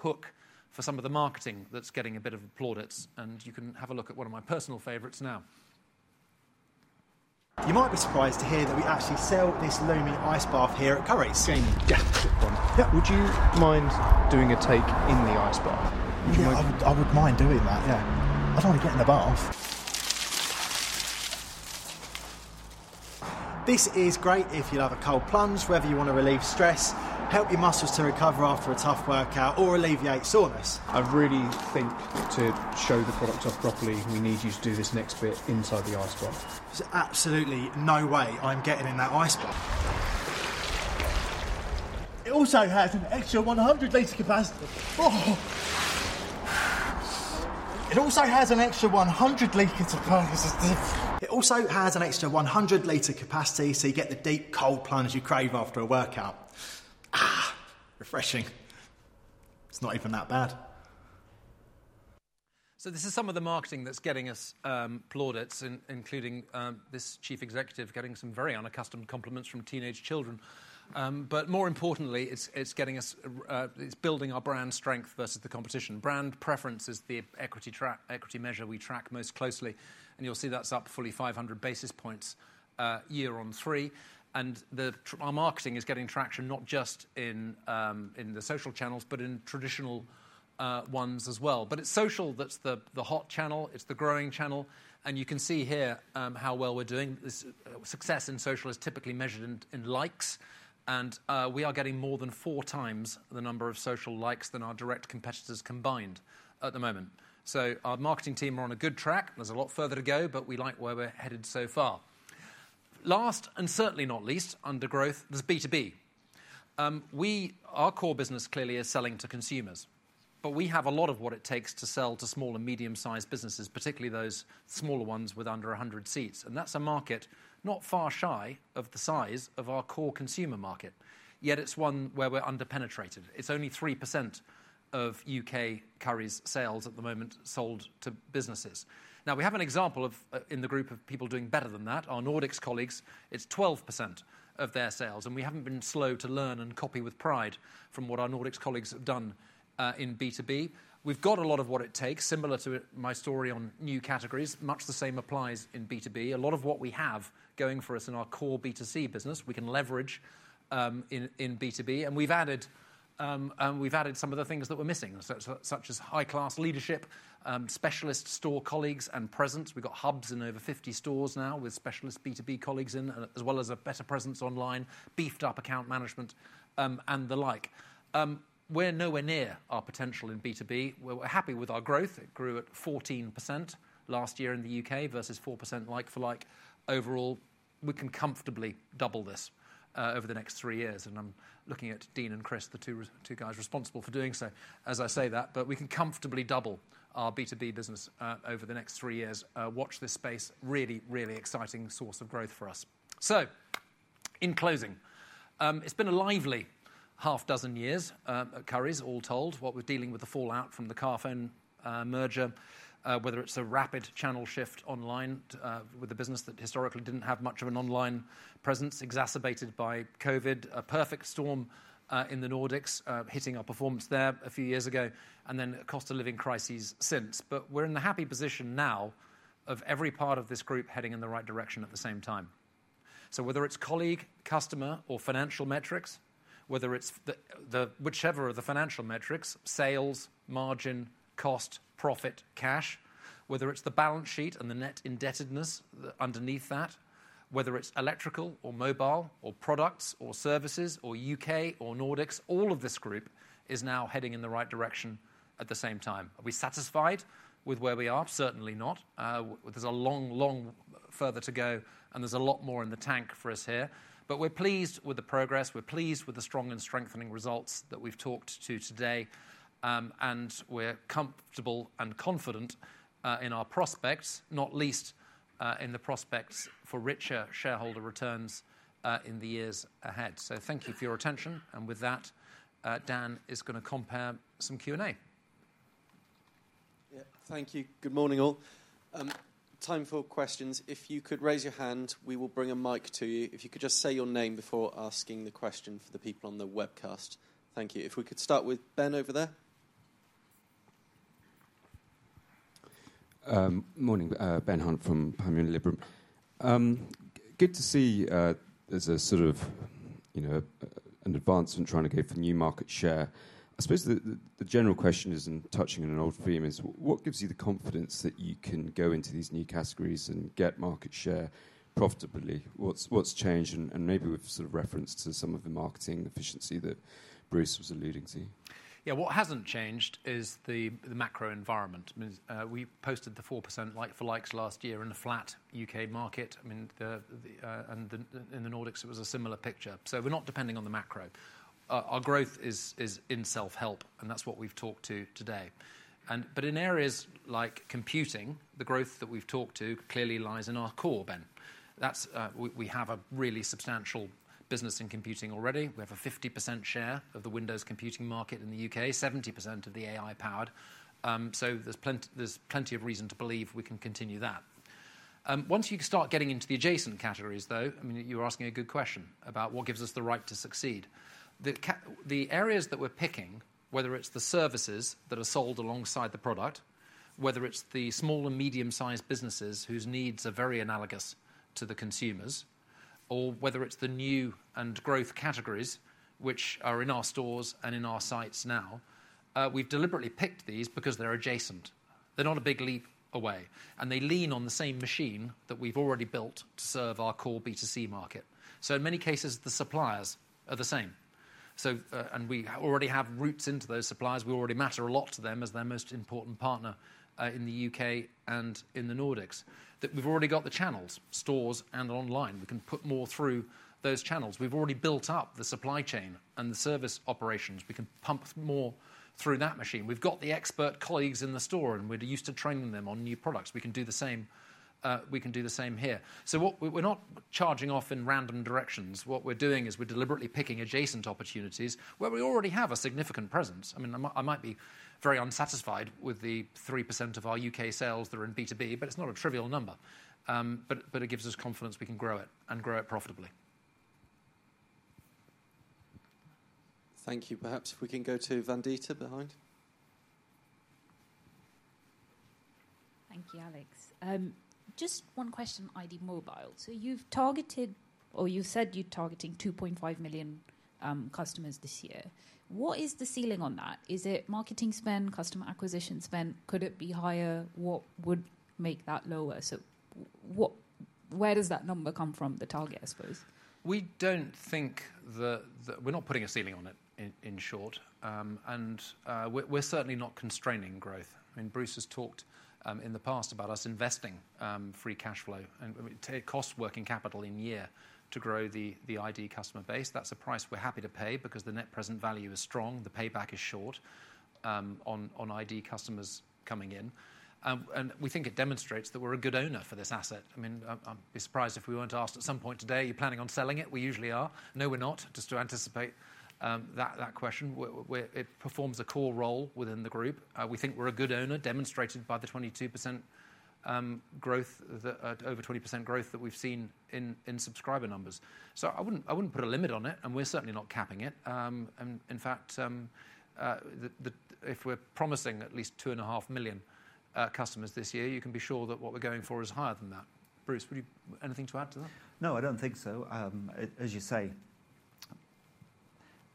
hook for some of the marketing that's getting a bit of plaudits. You can have a look at one of my personal favorites now. You might be surprised to hear that we actually sell this loamy ice bath here at Currys. Game death trip one. Would you mind doing a take in the ice bath? I would mind doing that, yeah. I don't want to get in the bath. This is great if you love a cold plunge, whether you want to relieve stress, help your muscles to recover after a tough workout, or alleviate soreness. I really think to show the product off properly, we need you to do this next bit inside the ice bath. There's absolutely no way I'm getting in that ice bath. It also has an extra 100-liter capacity. It also has an extra 100 L capacity so you get the deep cold plunge you crave after a workout. Refreshing. It's not even that bad. This is some of the marketing that's getting us plaudits, including this chief executive getting some very unaccustomed compliments from teenage children. More importantly, it's getting us building our brand strength versus the competition. Brand preference is the equity measure we track most closely. You'll see that's up fully 500 basis points year on three. Our marketing is getting traction not just in the social channels, but in traditional ones as well. Social is the hot channel. It's the growing channel. You can see here how well we're doing. Success in social is typically measured in likes. We are getting more than four times the number of social likes than our direct competitors combined at the moment. Our marketing team are on a good track. There is a lot further to go, but we like where we are headed so far. Last and certainly not least, under growth, there is B2B. Our core business clearly is selling to consumers, but we have a lot of what it takes to sell to small and medium-sized businesses, particularly those smaller ones with under 100 seats. That is a market not far shy of the size of our core consumer market. Yet it is one where we are underpenetrated. It is only 3% of U.K. Currys sales at the moment sold to businesses. We have an example in the group of people doing better than that, our Nordics colleagues. It is 12% of their sales. We have not been slow to learn and copy with pride from what our Nordics colleagues have done in B2B. We have got a lot of what it takes, similar to my story on new categories. Much the same applies in B2B. A lot of what we have going for us in our core B2C business, we can leverage in B2B. We have added some of the things that were missing, such as high-class leadership, specialist store colleagues, and presence. We have got hubs in over 50 stores now with specialist B2B colleagues in, as well as a better presence online, beefed-up account management, and the like. We are nowhere near our potential in B2B. We are happy with our growth. It grew at 14% last year in the U.K. versus 4% like-for-like. Overall, we can comfortably double this over the next three years. I am looking at Dean and Chris, the two guys responsible for doing so, as I say that. We can comfortably double our B2B business over the next three years. Watch this space. Really, really exciting source of growth for us. In closing, it has been a lively half dozen years at Currys, all told. What we are dealing with, the fallout from the Carphone merger, whether it is a rapid channel shift online with a business that historically did not have much of an online presence exacerbated by COVID, a perfect storm in the Nordics hitting our performance there a few years ago, and then cost of living crises since. We are in the happy position now of every part of this group heading in the right direction at the same time. Whether it is colleague, customer, or financial metrics, whether it is whichever of the financial metrics, sales, margin, cost, profit, cash, whether it is the balance sheet and the net indebtedness underneath that, whether it is electrical or mobile or products or services or U.K. or Nordics, all of this group is now heading in the right direction at the same time. Are we satisfied with where we are? Certainly not. There is a long, long further to go, and there is a lot more in the tank for us here. We are pleased with the progress. We are pleased with the strong and strengthening results that we have talked to today. We are comfortable and confident in our prospects, not least in the prospects for richer shareholder returns in the years ahead. Thank you for your attention. With that, Dan is going to compare some Q&A. Yeah, thank you. Good morning, all. Time for questions. If you could raise your hand, we will bring a mic to you. If you could just say your name before asking the question for the people on the webcast. Thank you. If we could start with Ben over there. Morning, Ben Hunt from Panmure Liberum. Good to see there's a sort of an advance in trying to get the new market share. I suppose the general question is, and touching on an old theme, is what gives you the confidence that you can go into these new categories and get market share profitably? What's changed? And maybe with sort of reference to some of the marketing efficiency that Bruce was alluding to. Yeah, what hasn't changed is the macro environment. We posted the 4% like-for-likes last year in a flat U.K. market. And in the Nordics, it was a similar picture. We're not depending on the macro. Our growth is in self-help, and that's what we've talked to today. In areas like computing, the growth that we've talked to clearly lies in our core, Ben. We have a really substantial business in computing already. We have a 50% share of the Windows computing market in the U.K., 70% of the AI-powered. There's plenty of reason to believe we can continue that. Once you start getting into the adjacent categories, though, I mean, you were asking a good question about what gives us the right to succeed. The areas that we're picking, whether it's the services that are sold alongside the product, whether it's the small and medium-sized businesses whose needs are very analogous to the consumers, or whether it's the new and growth categories, which are in our stores and in our sites now, we've deliberately picked these because they're adjacent. They're not a big leap away. They lean on the same machine that we've already built to serve our core B2C market. In many cases, the suppliers are the same. We already have roots into those suppliers. We already matter a lot to them as their most important partner in the U.K. and in the Nordics. We've already got the channels, stores and online. We can put more through those channels. We've already built up the supply chain and the service operations. We can pump more through that machine. We've got the expert colleagues in the store, and we're used to training them on new products. We can do the same here. We're not charging off in random directions. What we're doing is we're deliberately picking adjacent opportunities where we already have a significant presence. I mean, I might be very unsatisfied with the 3% of our U.K. sales that are in B2B, but it's not a trivial number. It gives us confidence we can grow it and grow it profitably. Thank you. Perhaps if we can go to Vandita behind. Thank you, Alex. Just one question, iD Mobile. You've targeted, or you said you're targeting 2.5 million customers this year. What is the ceiling on that? Is it marketing spend, customer acquisition spend? Could it be higher? What would make that lower? Where does that number come from, the target, I suppose? We do not think that we are not putting a ceiling on it, in short. We are certainly not constraining growth. I mean, Bruce has talked in the past about us investing free cash flow and cost working capital in year to grow the iD customer base. That is a price we are happy to pay because the net present value is strong. The payback is short on iD customers coming in. We think it demonstrates that we are a good owner for this asset. I mean, I would be surprised if we were not asked at some point today, "Are you planning on selling it?" We usually are. No, we are not, just to anticipate that question. It performs a core role within the group. We think we are a good owner, demonstrated by the 22% growth, over 20% growth that we have seen in subscriber numbers. I would not put a limit on it, and we are certainly not capping it. In fact, if we are promising at least 2.5 million customers this year, you can be sure that what we are going for is higher than that. Bruce, anything to add to that? No, I do not think so. As you say,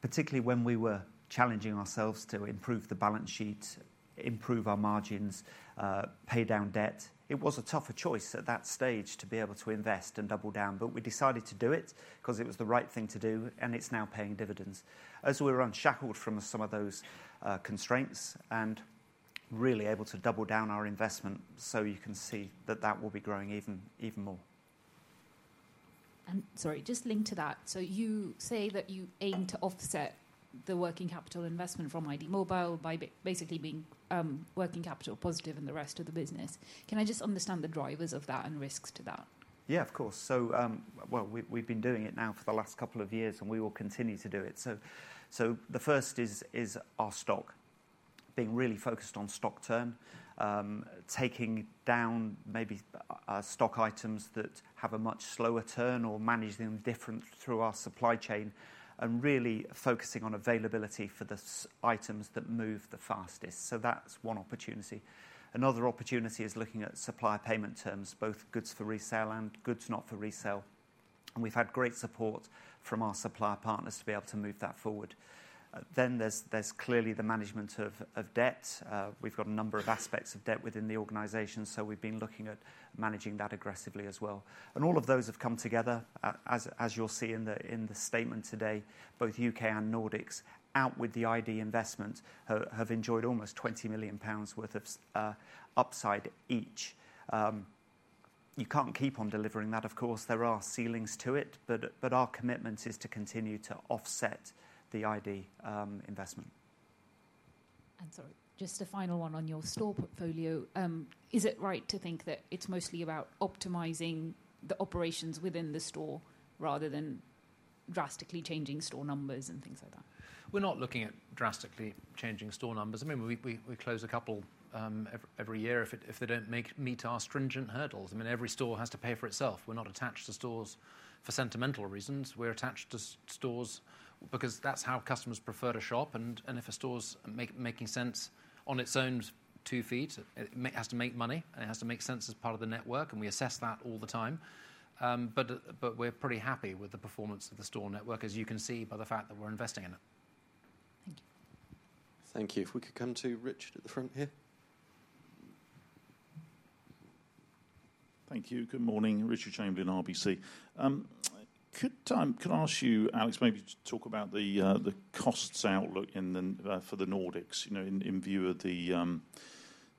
particularly when we were challenging ourselves to improve the balance sheet, improve our margins, pay down debt, it was a tougher choice at that stage to be able to invest and double down. We decided to do it because it was the right thing to do, and it is now paying dividends. As we are unshackled from some of those constraints and really able to double down our investment, you can see that that will be growing even more. Sorry, just link to that. You say that you aim to offset the working capital investment from iD Mobile by basically being working capital positive in the rest of the business. Can I just understand the drivers of that and risks to that? Yeah, of course. We've been doing it now for the last couple of years, and we will continue to do it. The first is our stock, being really focused on stock turn, taking down maybe stock items that have a much slower turn or managing them differently through our supply chain, and really focusing on availability for the items that move the fastest. That's one opportunity. Another opportunity is looking at supplier payment terms, both goods for resale and goods not for resale. We've had great support from our supplier partners to be able to move that forward. There's clearly the management of debt. We've got a number of aspects of debt within the organization, so we've been looking at managing that aggressively as well. All of those have come together, as you'll see in the statement today, both U.K. and Nordics, out with the iD investment, have enjoyed almost 20 million pounds worth of upside each. You can't keep on delivering that, of course. There are ceilings to it, but our commitment is to continue to offset the iD investment. Sorry, just a final one on your store portfolio. Is it right to think that it's mostly about optimizing the operations within the store rather than drastically changing store numbers and things like that? We're not looking at drastically changing store numbers. I mean, we close a couple every year if they don't meet our stringent hurdles. I mean, every store has to pay for itself. We're not attached to stores for sentimental reasons. We're attached to stores because that's how customers prefer to shop. If a store's making sense on its own two feet, it has to make money, and it has to make sense as part of the network. We assess that all the time. We're pretty happy with the performance of the store network, as you can see by the fact that we're investing in it. Thank you. Thank you. If we could come to Rich at the front here. Thank you. Good morning. Richard Chamberlain, RBC. Could I ask you, Alex, maybe to talk about the cost outlook for the Nordics in view of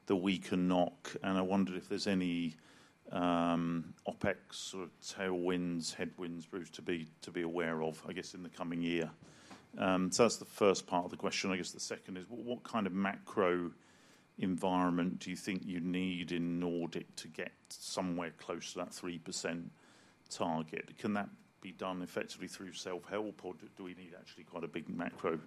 the weak NOK? I wondered if there's any OpEx sort of tailwinds, headwinds for us to be aware of, I guess, in the coming year. That's the first part of the question. I guess the second is, what kind of macro environment do you think you need in Nordic to get somewhere close to that 3% target? Can that be done effectively through self-help, or do we need actually quite a big macro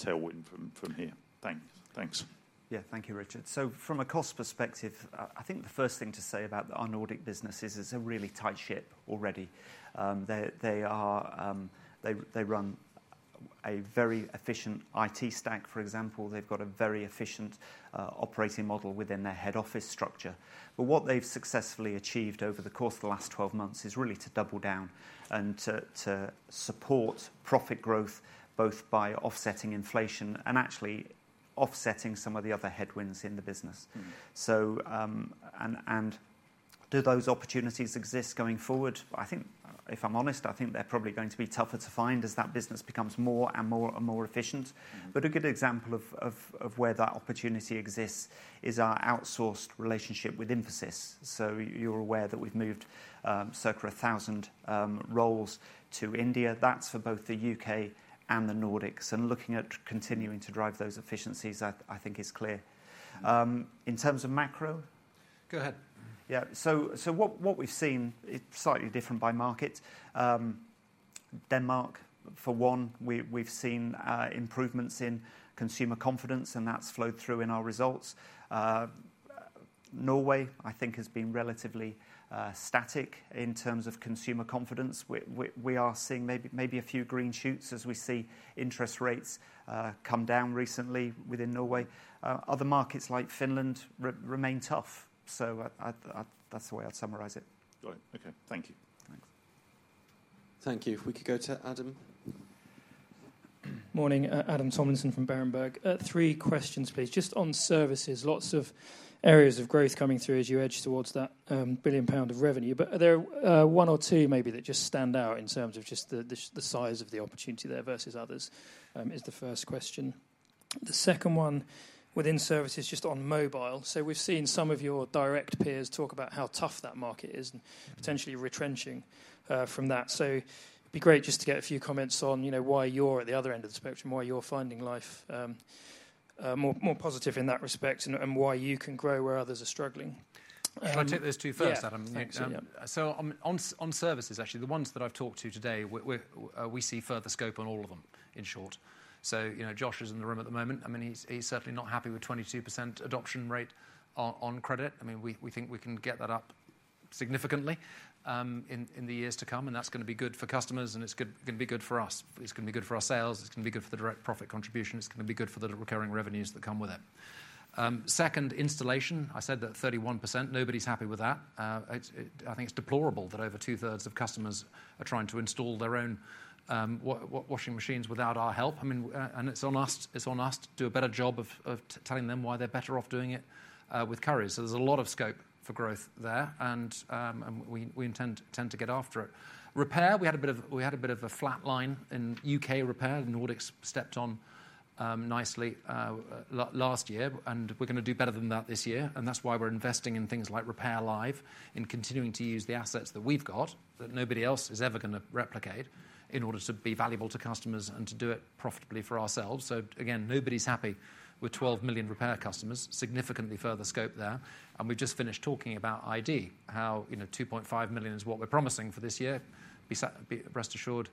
tailwind from here? Thanks. Thanks. Yeah, thank you, Richard. From a cost perspective, I think the first thing to say about our Nordic business is it's a really tight ship already. They run a very efficient IT stack, for example. They've got a very efficient operating model within their head office structure. What they've successfully achieved over the course of the last 12 months is really to double down and to support profit growth, both by offsetting inflation and actually offsetting some of the other headwinds in the business. Do those opportunities exist going forward? I think, if I'm honest, I think they're probably going to be tougher to find as that business becomes more and more efficient. But a good example of where that opportunity exists is our outsourced relationship with Infosys. So you're aware that we've moved circa 1,000 roles to India. That's for both the U.K. and the Nordics. And looking at continuing to drive those efficiencies, I think, is clear. In terms of macro? Go ahead. Yeah. What we've seen is slightly different by market. Denmark, for one, we've seen improvements in consumer confidence, and that's flowed through in our results. Norway, I think, has been relatively static in terms of consumer confidence. We are seeing maybe a few green shoots as we see interest rates come down recently within Norway. Other markets like Finland remain tough. That's the way I'd summarize it. Got it. Okay. Thank you. Thanks. Thank you. If we could go to Adam. Morning. Adam Tomlinson from Berenberg. Three questions, please. Just on services, lots of areas of growth coming through as you edge towards that billion pound of revenue. Are there one or two maybe that just stand out in terms of just the size of the opportunity there versus others is the first question. The second one within services, just on mobile. We've seen some of your direct peers talk about how tough that market is and potentially retrenching from that. It would be great just to get a few comments on why you're at the other end of the spectrum, why you're finding life more positive in that respect, and why you can grow where others are struggling. Can I take those two first, Adam? On services, actually, the ones that I've talked to today, we see further scope on all of them, in short. Josh is in the room at the moment. I mean, he's certainly not happy with 22% adoption rate on credit. I mean, we think we can get that up significantly in the years to come, and that's going to be good for customers, and it's going to be good for us. It's going to be good for our sales. It's going to be good for the direct profit contribution. It's going to be good for the recurring revenues that come with it. Second, installation. I said that 31%. Nobody's happy with that. I think it's deplorable that over two-thirds of customers are trying to install their own washing machines without our help. I mean, and it's on us to do a better job of telling them why they're better off doing it with Currys. There is a lot of scope for growth there, and we intend to get after it. Repair, we had a bit of a flat line in U.K. repair. The Nordics stepped on nicely last year, and we're going to do better than that this year. That is why we're investing in things like RepairLive, in continuing to use the assets that we've got that nobody else is ever going to replicate in order to be valuable to customers and to do it profitably for ourselves. Again, nobody's happy with 12 million repair customers, significantly further scope there. We've just finished talking about iD, how 2.5 million is what we're promising for this year. Be rest assured,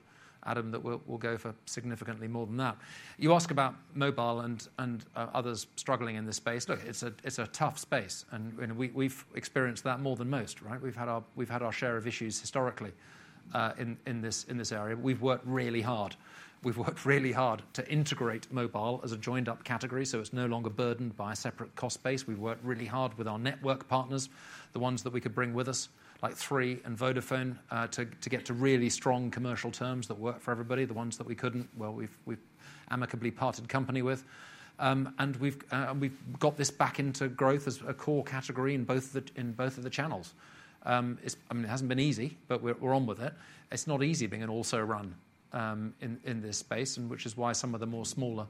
Adam, that we'll go for significantly more than that. You ask about mobile and others struggling in this space. Look, it's a tough space. And we've experienced that more than most, right? We've had our share of issues historically in this area. We've worked really hard. We've worked really hard to integrate mobile as a joined-up category so it's no longer burdened by a separate cost base. We've worked really hard with our network partners, the ones that we could bring with us, like Three and Vodafone, to get to really strong commercial terms that work for everybody. The ones that we couldn't, well, we've amicably parted company with. And we've got this back into growth as a core category in both of the channels. I mean, it hasn't been easy, but we're on with it. It's not easy being an also-ran in this space, which is why some of the more smaller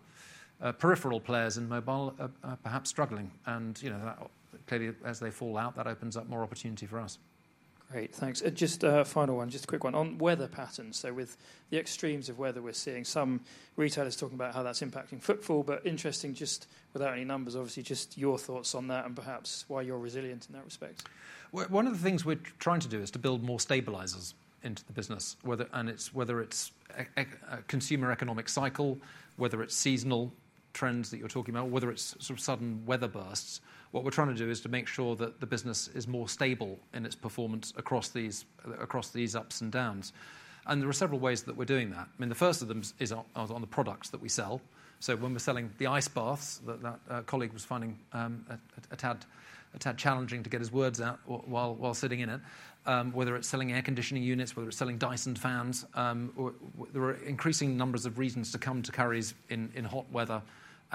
peripheral players in mobile are perhaps struggling. Clearly, as they fall out, that opens up more opportunity for us. Great. Thanks. Just a final one, just a quick one on weather patterns. With the extremes of weather we're seeing, some retailers are talking about how that's impacting footfall. Interesting, just without any numbers, obviously, just your thoughts on that and perhaps why you're resilient in that respect. One of the things we're trying to do is to build more stabilizers into the business, whether it's a consumer economic cycle, whether it's seasonal trends that you're talking about, whether it's sort of sudden weather bursts. What we're trying to do is to make sure that the business is more stable in its performance across these ups and downs. There are several ways that we're doing that. I mean, the first of them is on the products that we sell. When we're selling the ice baths that that colleague was finding a tad challenging to get his words out while sitting in it, whether it's selling air conditioning units, whether it's selling DYSON fans, there are increasing numbers of reasons to come to Currys in hot weather.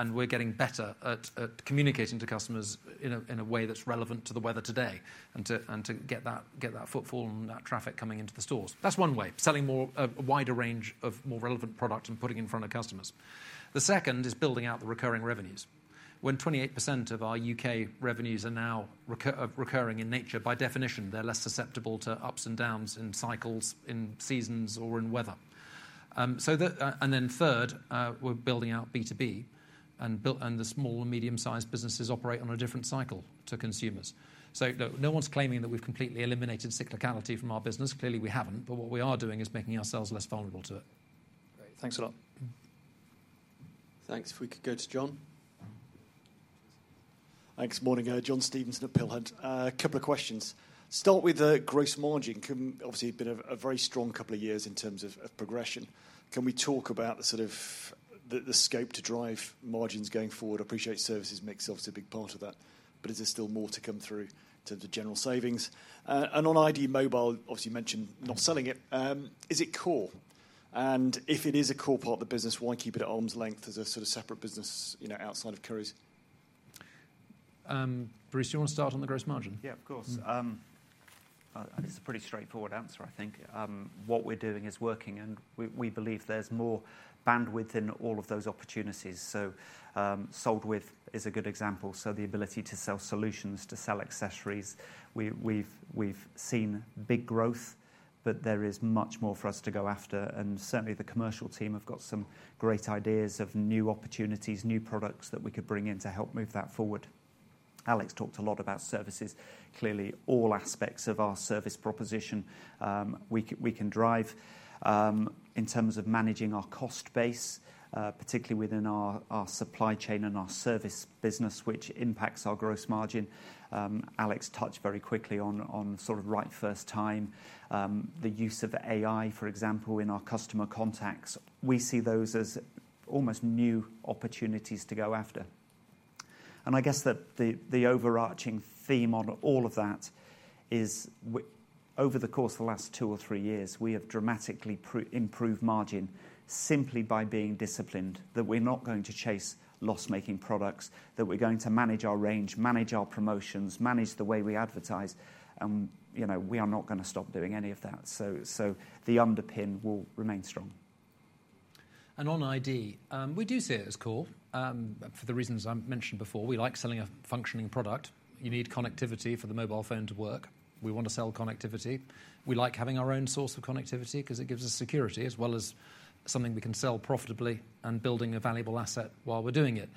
We're getting better at communicating to customers in a way that's relevant to the weather today and to get that footfall and that traffic coming into the stores. That's one way, selling a wider range of more relevant products and putting in front of customers. The second is building out the recurring revenues. When 28% of our U.K. revenues are now recurring in nature, by definition, they're less susceptible to ups and downs in cycles, in seasons, or in weather. Third, we're building out B2B, and the small and medium-sized businesses operate on a different cycle to consumers. No one's claiming that we've completely eliminated cyclicality from our business. Clearly, we haven't. What we are doing is making ourselves less vulnerable to it. Great. Thanks a lot. Thanks. If we could go to John. Thanks. Morning. John Stevenson at Peel Hunt. A couple of questions. Start with the gross margin. Obviously, it's been a very strong couple of years in terms of progression. Can we talk about the sort of scope to drive margins going forward? I appreciate services mix, obviously, a big part of that. Is there still more to come through in terms of general savings? On iD Mobile, obviously, you mentioned not selling it. Is it core? If it is a core part of the business, why keep it at arm's length as a sort of separate business outside of Currys? Bruce, do you want to start on the gross margin? Yeah, of course. It's a pretty straightforward answer, I think. What we're doing is working, and we believe there's more bandwidth in all of those opportunities. Sold With is a good example. The ability to sell solutions, to sell accessories. We've seen big growth, but there is much more for us to go after. Certainly, the commercial team have got some great ideas of new opportunities, new products that we could bring in to help move that forward. Alex talked a lot about services. Clearly, all aspects of our service proposition we can drive in terms of managing our cost base, particularly within our supply chain and our service business, which impacts our gross margin. Alex touched very quickly on sort of right first time, the use of AI, for example, in our customer contacts. We see those as almost new opportunities to go after. I guess that the overarching theme on all of that is, over the course of the last two or three years, we have dramatically improved margin simply by being disciplined, that we're not going to chase loss-making products, that we're going to manage our range, manage our promotions, manage the way we advertise. We are not going to stop doing any of that. The underpin will remain strong. On iD, we do see it as core for the reasons I mentioned before. We like selling a functioning product. You need connectivity for the mobile phone to work. We want to sell connectivity. We like having our own source of connectivity because it gives us security as well as something we can sell profitably and building a valuable asset while we're doing it.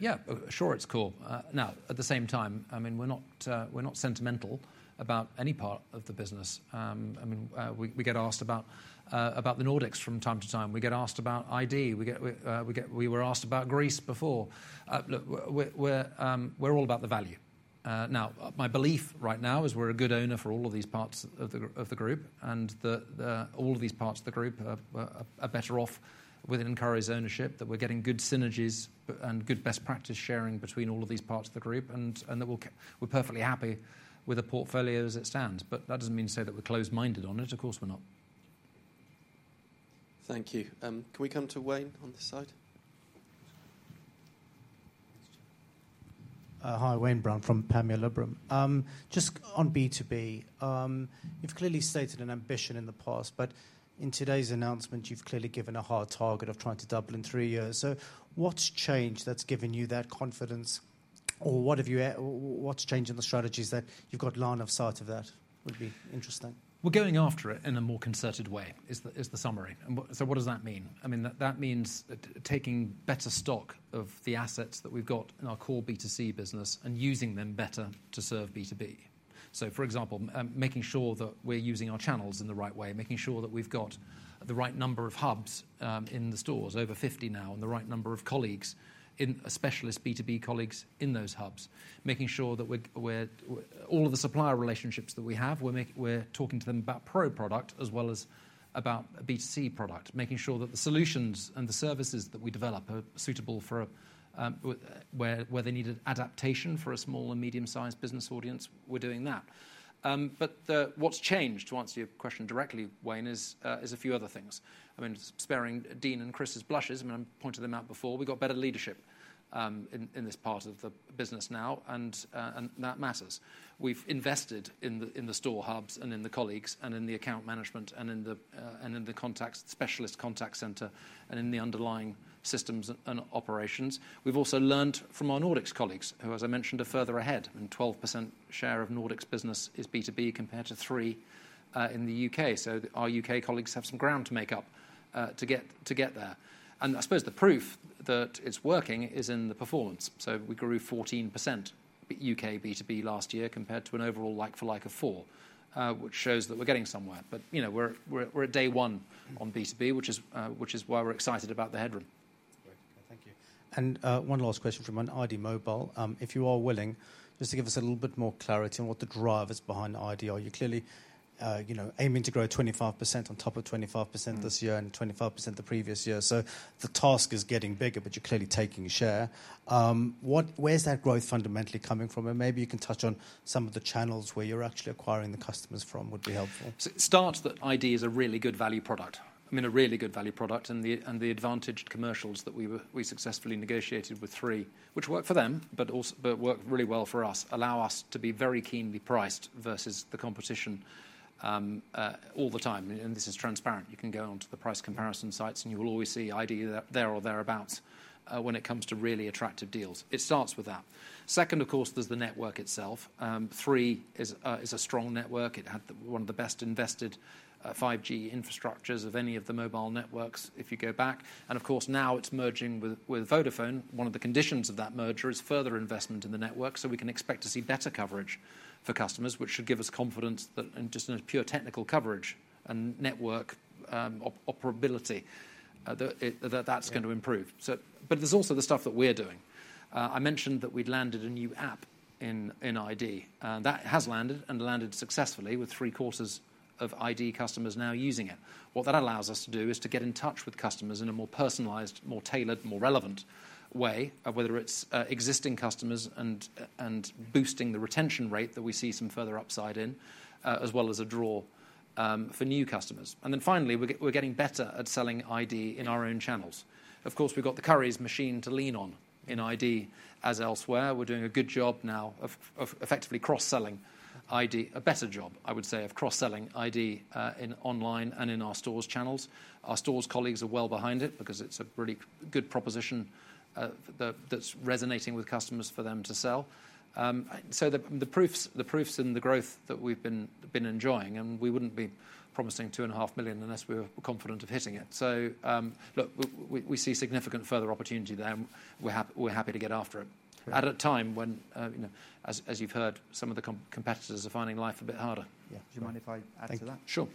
Yeah, sure, it's core. At the same time, I mean, we're not sentimental about any part of the business. I mean, we get asked about the Nordics from time to time. We get asked about iD. We were asked about Greece before. Look, we're all about the value. Now, my belief right now is we're a good owner for all of these parts of the group, and all of these parts of the group are better off within Currys ownership, that we're getting good synergies and good best practice sharing between all of these parts of the group, and that we're perfectly happy with the portfolio as it stands. That does not mean to say that we're closed-minded on it. Of course, we're not. Thank you. Can we come to Wayne on this side? Hi, Wayne Brown from Panmure Liberum. Just on B2B, you've clearly stated an ambition in the past, but in today's announcement, you've clearly given a high target of trying to double in three years. What's changed that's given you that confidence? Or what's changed in the strategies that you've got line of sight of that? It would be interesting. We're going after it in a more concerted way is the summary. What does that mean? I mean, that means taking better stock of the assets that we've got in our core B2C business and using them better to serve B2B. For example, making sure that we're using our channels in the right way, making sure that we've got the right number of hubs in the stores, over 50 now, and the right number of colleagues, specialist B2B colleagues in those hubs, making sure that all of the supplier relationships that we have, we're talking to them about pro product as well as about B2C product, making sure that the solutions and the services that we develop are suitable for where they need adaptation for a small and medium-sized business audience. We're doing that. What's changed, to answer your question directly, Wayne, is a few other things. I mean, sparing Dean and Chris's blushes, I mean, I pointed them out before. We've got better leadership in this part of the business now, and that matters. We've invested in the store hubs and in the colleagues and in the account management and in the specialist contact center and in the underlying systems and operations. We've also learned from our Nordics colleagues who, as I mentioned, are further ahead. I mean, 12% share of Nordics business is B2B compared to 3% in the U.K. So our U.K. colleagues have some ground to make up to get there. I suppose the proof that it's working is in the performance. We grew 14% U.K. B2B last year compared to an overall like-for-like of 4%, which shows that we're getting somewhere. We're at day one on B2B, which is why we're excited about the headroom. Great. Okay. Thank you. One last question from an iD Mobile. If you are willing, just to give us a little bit more clarity on what the drivers behind iD are. You're clearly aiming to grow 25% on top of 25% this year and 25% the previous year. The task is getting bigger, but you're clearly taking a share. Where's that growth fundamentally coming from? Maybe you can touch on some of the channels where you're actually acquiring the customers from, would be helpful. Start that iD is a really good value product. I mean, a really good value product. The advantaged commercials that we successfully negotiated with Three, which work for them but work really well for us, allow us to be very keenly priced versus the competition all the time. This is transparent. You can go on to the price comparison sites, and you will always see iD there or thereabouts when it comes to really attractive deals. It starts with that. Second, of course, there is the network itself. Three is a strong network. It had one of the best invested 5G infrastructures of any of the mobile networks if you go back. Of course, now it is merging with Vodafone. One of the conditions of that merger is further investment in the network, so we can expect to see better coverage for customers, which should give us confidence in just pure technical coverage and network operability that that is going to improve. There is also the stuff that we are doing. I mentioned that we had landed a new app in iD. That has landed and landed successfully, with three-quarters of iD customers now using it. What that allows us to do is to get in touch with customers in a more personalized, more tailored, more relevant way, whether it's existing customers and boosting the retention rate that we see some further upside in, as well as a draw for new customers. Finally, we're getting better at selling iD in our own channels. Of course, we've got the Currys machine to lean on in iD as elsewhere. We're doing a good job now of effectively cross-selling iD, a better job, I would say, of cross-selling iD online and in our stores channels. Our stores colleagues are well behind it because it's a really good proposition that's resonating with customers for them to sell. The proof's in the growth that we've been enjoying. We wouldn't be promising 2.5 million unless we were confident of hitting it. Look, we see significant further opportunity there, and we're happy to get after it at a time when, as you've heard, some of the competitors are finding life a bit harder. Yeah. Do you mind if I add to that? Sure.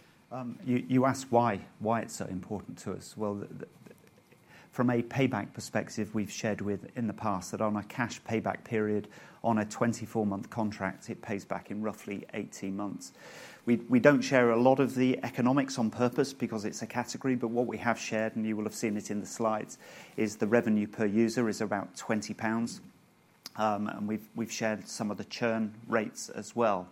You asked why it's so important to us. From a payback perspective, we've shared with you in the past that on a cash payback period on a 24-month contract, it pays back in roughly 18 months. We do not share a lot of the economics on purpose because it's a category. What we have shared, and you will have seen it in the slides, is the revenue per user is about 20 pounds. We have shared some of the churn rates as well.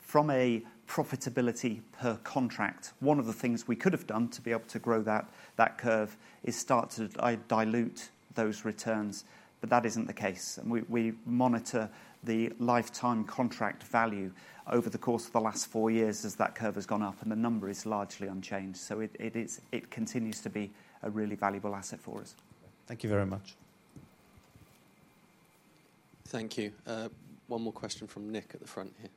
From a profitability per contract, one of the things we could have done to be able to grow that curve is start to dilute those returns. That is not the case. We monitor the lifetime contract value over the course of the last four years as that curve has gone up, and the number is largely unchanged. It continues to be a really valuable asset for us. Thank you very much. Thank you. One more question from Nick at the front here.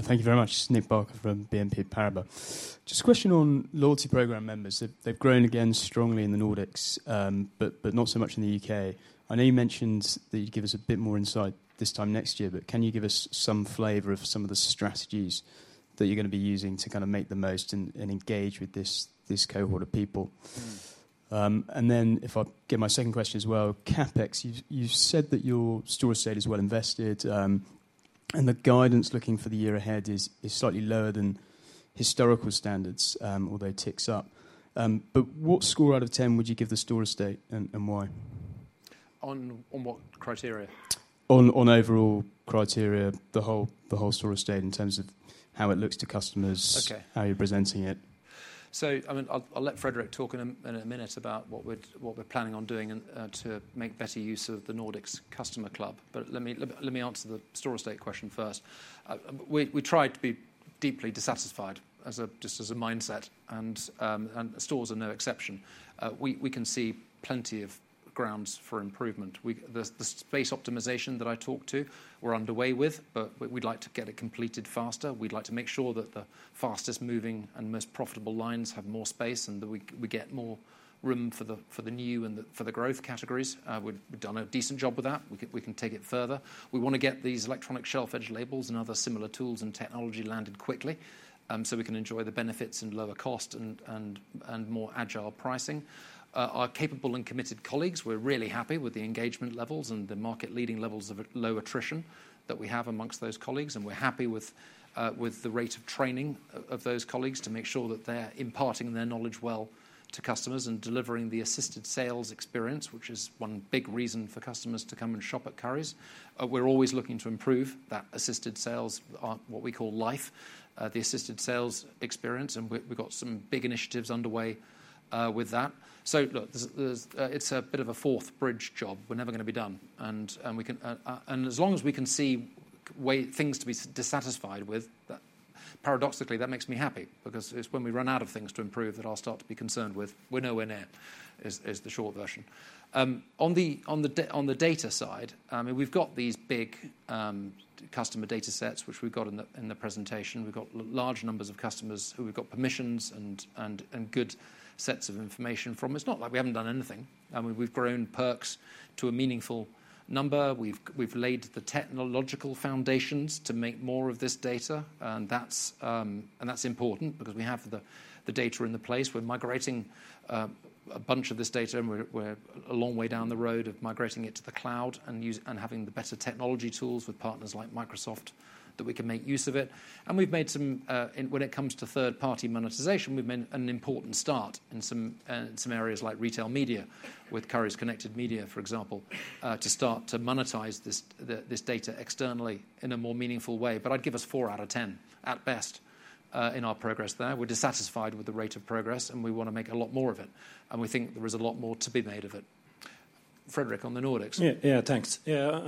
Thank you very much. Nick Barker from BNP Paribas. Just a question on loyalty program members. They have grown again strongly in the Nordics, but not so much in the U.K. I know you mentioned that you'd give us a bit more insight this time next year, but can you give us some flavor of some of the strategies that you're going to be using to kind of make the most and engage with this cohort of people? If I get my second question as well, CapEx, you've said that your store estate is well invested, and the guidance looking for the year ahead is slightly lower than historical standards, although it ticks up. What score out of 10 would you give the store estate and why? On what criteria? On overall criteria, the whole store estate in terms of how it looks to customers, how you're presenting it. I mean, I'll let Fredrik talk in a minute about what we're planning on doing to make better use of the Nordics customer club. Let me answer the store estate question first. We try to be deeply dissatisfied just as a mindset, and stores are no exception. We can see plenty of grounds for improvement. The space optimization that I talked to, we're underway with, but we'd like to get it completed faster. We'd like to make sure that the fastest moving and most profitable lines have more space and that we get more room for the new and for the growth categories. We've done a decent job with that. We can take it further. We want to get these electronic shelf edge labels and other similar tools and technology landed quickly so we can enjoy the benefits and lower cost and more agile pricing. Our capable and committed colleagues, we're really happy with the engagement levels and the market-leading levels of low attrition that we have amongst those colleagues. We're happy with the rate of training of those colleagues to make sure that they're imparting their knowledge well to customers and delivering the assisted sales experience, which is one big reason for customers to come and shop at Currys. We're always looking to improve. That assisted sales aren't what we call life, the assisted sales experience. We've got some big initiatives underway with that. Look, it's a bit of a fourth bridge job. We're never going to be done. As long as we can see things to be dissatisfied with, paradoxically, that makes me happy because it's when we run out of things to improve that I'll start to be concerned with. We're nowhere near is the short version. On the data side, I mean, we've got these big customer data sets which we've got in the presentation. We've got large numbers of customers who we've got permissions and good sets of information from. It's not like we haven't done anything. I mean, we've grown perks to a meaningful number. We've laid the technological foundations to make more of this data. That's important because we have the data in the place. We're migrating a bunch of this data, and we're a long way down the road of migrating it to the cloud and having the better technology tools with partners like Microsoft that we can make use of it. When it comes to third-party monetization, we've made an important start in some areas like retail media with Currys Connected Media, for example, to start to monetize this data externally in a more meaningful way. I'd give us 4 out of 10 at best in our progress there. We're dissatisfied with the rate of progress, and we want to make a lot more of it. We think there is a lot more to be made of it. Fredrik on the Nordics. Yeah, thanks. Yeah.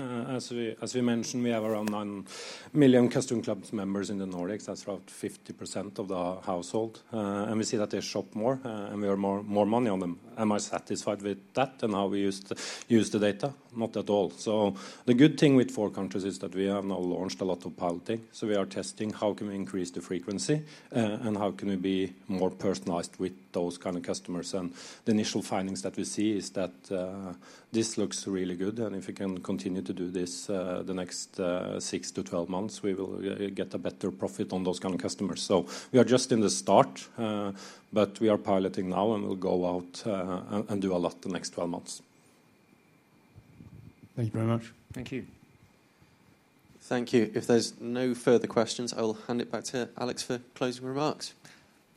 As we mentioned, we have around 9 million customer club members in the Nordics. That's about 50% of the household. We see that they shop more, and we earn more money on them. Am I satisfied with that and how we use the data? Not at all. The good thing with four countries is that we have now launched a lot of piloting. We are testing how can we increase the frequency and how can we be more personalized with those kind of customers. The initial findings that we see is that this looks really good. If we can continue to do this the next six to twelve months, we will get a better profit on those kind of customers. We are just in the start, but we are piloting now and will go out and do a lot the next twelve months. Thank you very much. Thank you. Thank you. If there are no further questions, I will hand it back to Alex for closing remarks.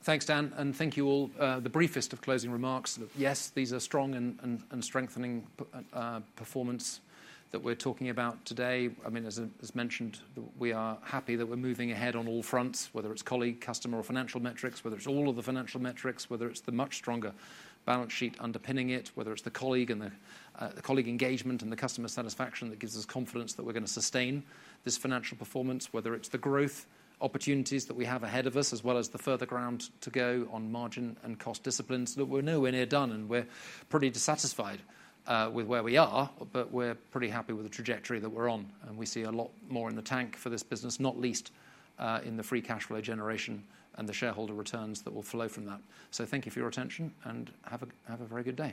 Thanks, Dan. Thank you all. The briefest of closing remarks. Yes, these are strong and strengthening performance that we are talking about today. I mean, as mentioned, we are happy that we're moving ahead on all fronts, whether it's colleague, customer, or financial metrics, whether it's all of the financial metrics, whether it's the much stronger balance sheet underpinning it, whether it's the colleague engagement and the customer satisfaction that gives us confidence that we're going to sustain this financial performance, whether it's the growth opportunities that we have ahead of us as well as the further ground to go on margin and cost disciplines. Look, we're nowhere near done, and we're pretty dissatisfied with where we are, but we're pretty happy with the trajectory that we're on. We see a lot more in the tank for this business, not least in the free cash flow generation and the shareholder returns that will flow from that. Thank you for your attention, and have a very good day.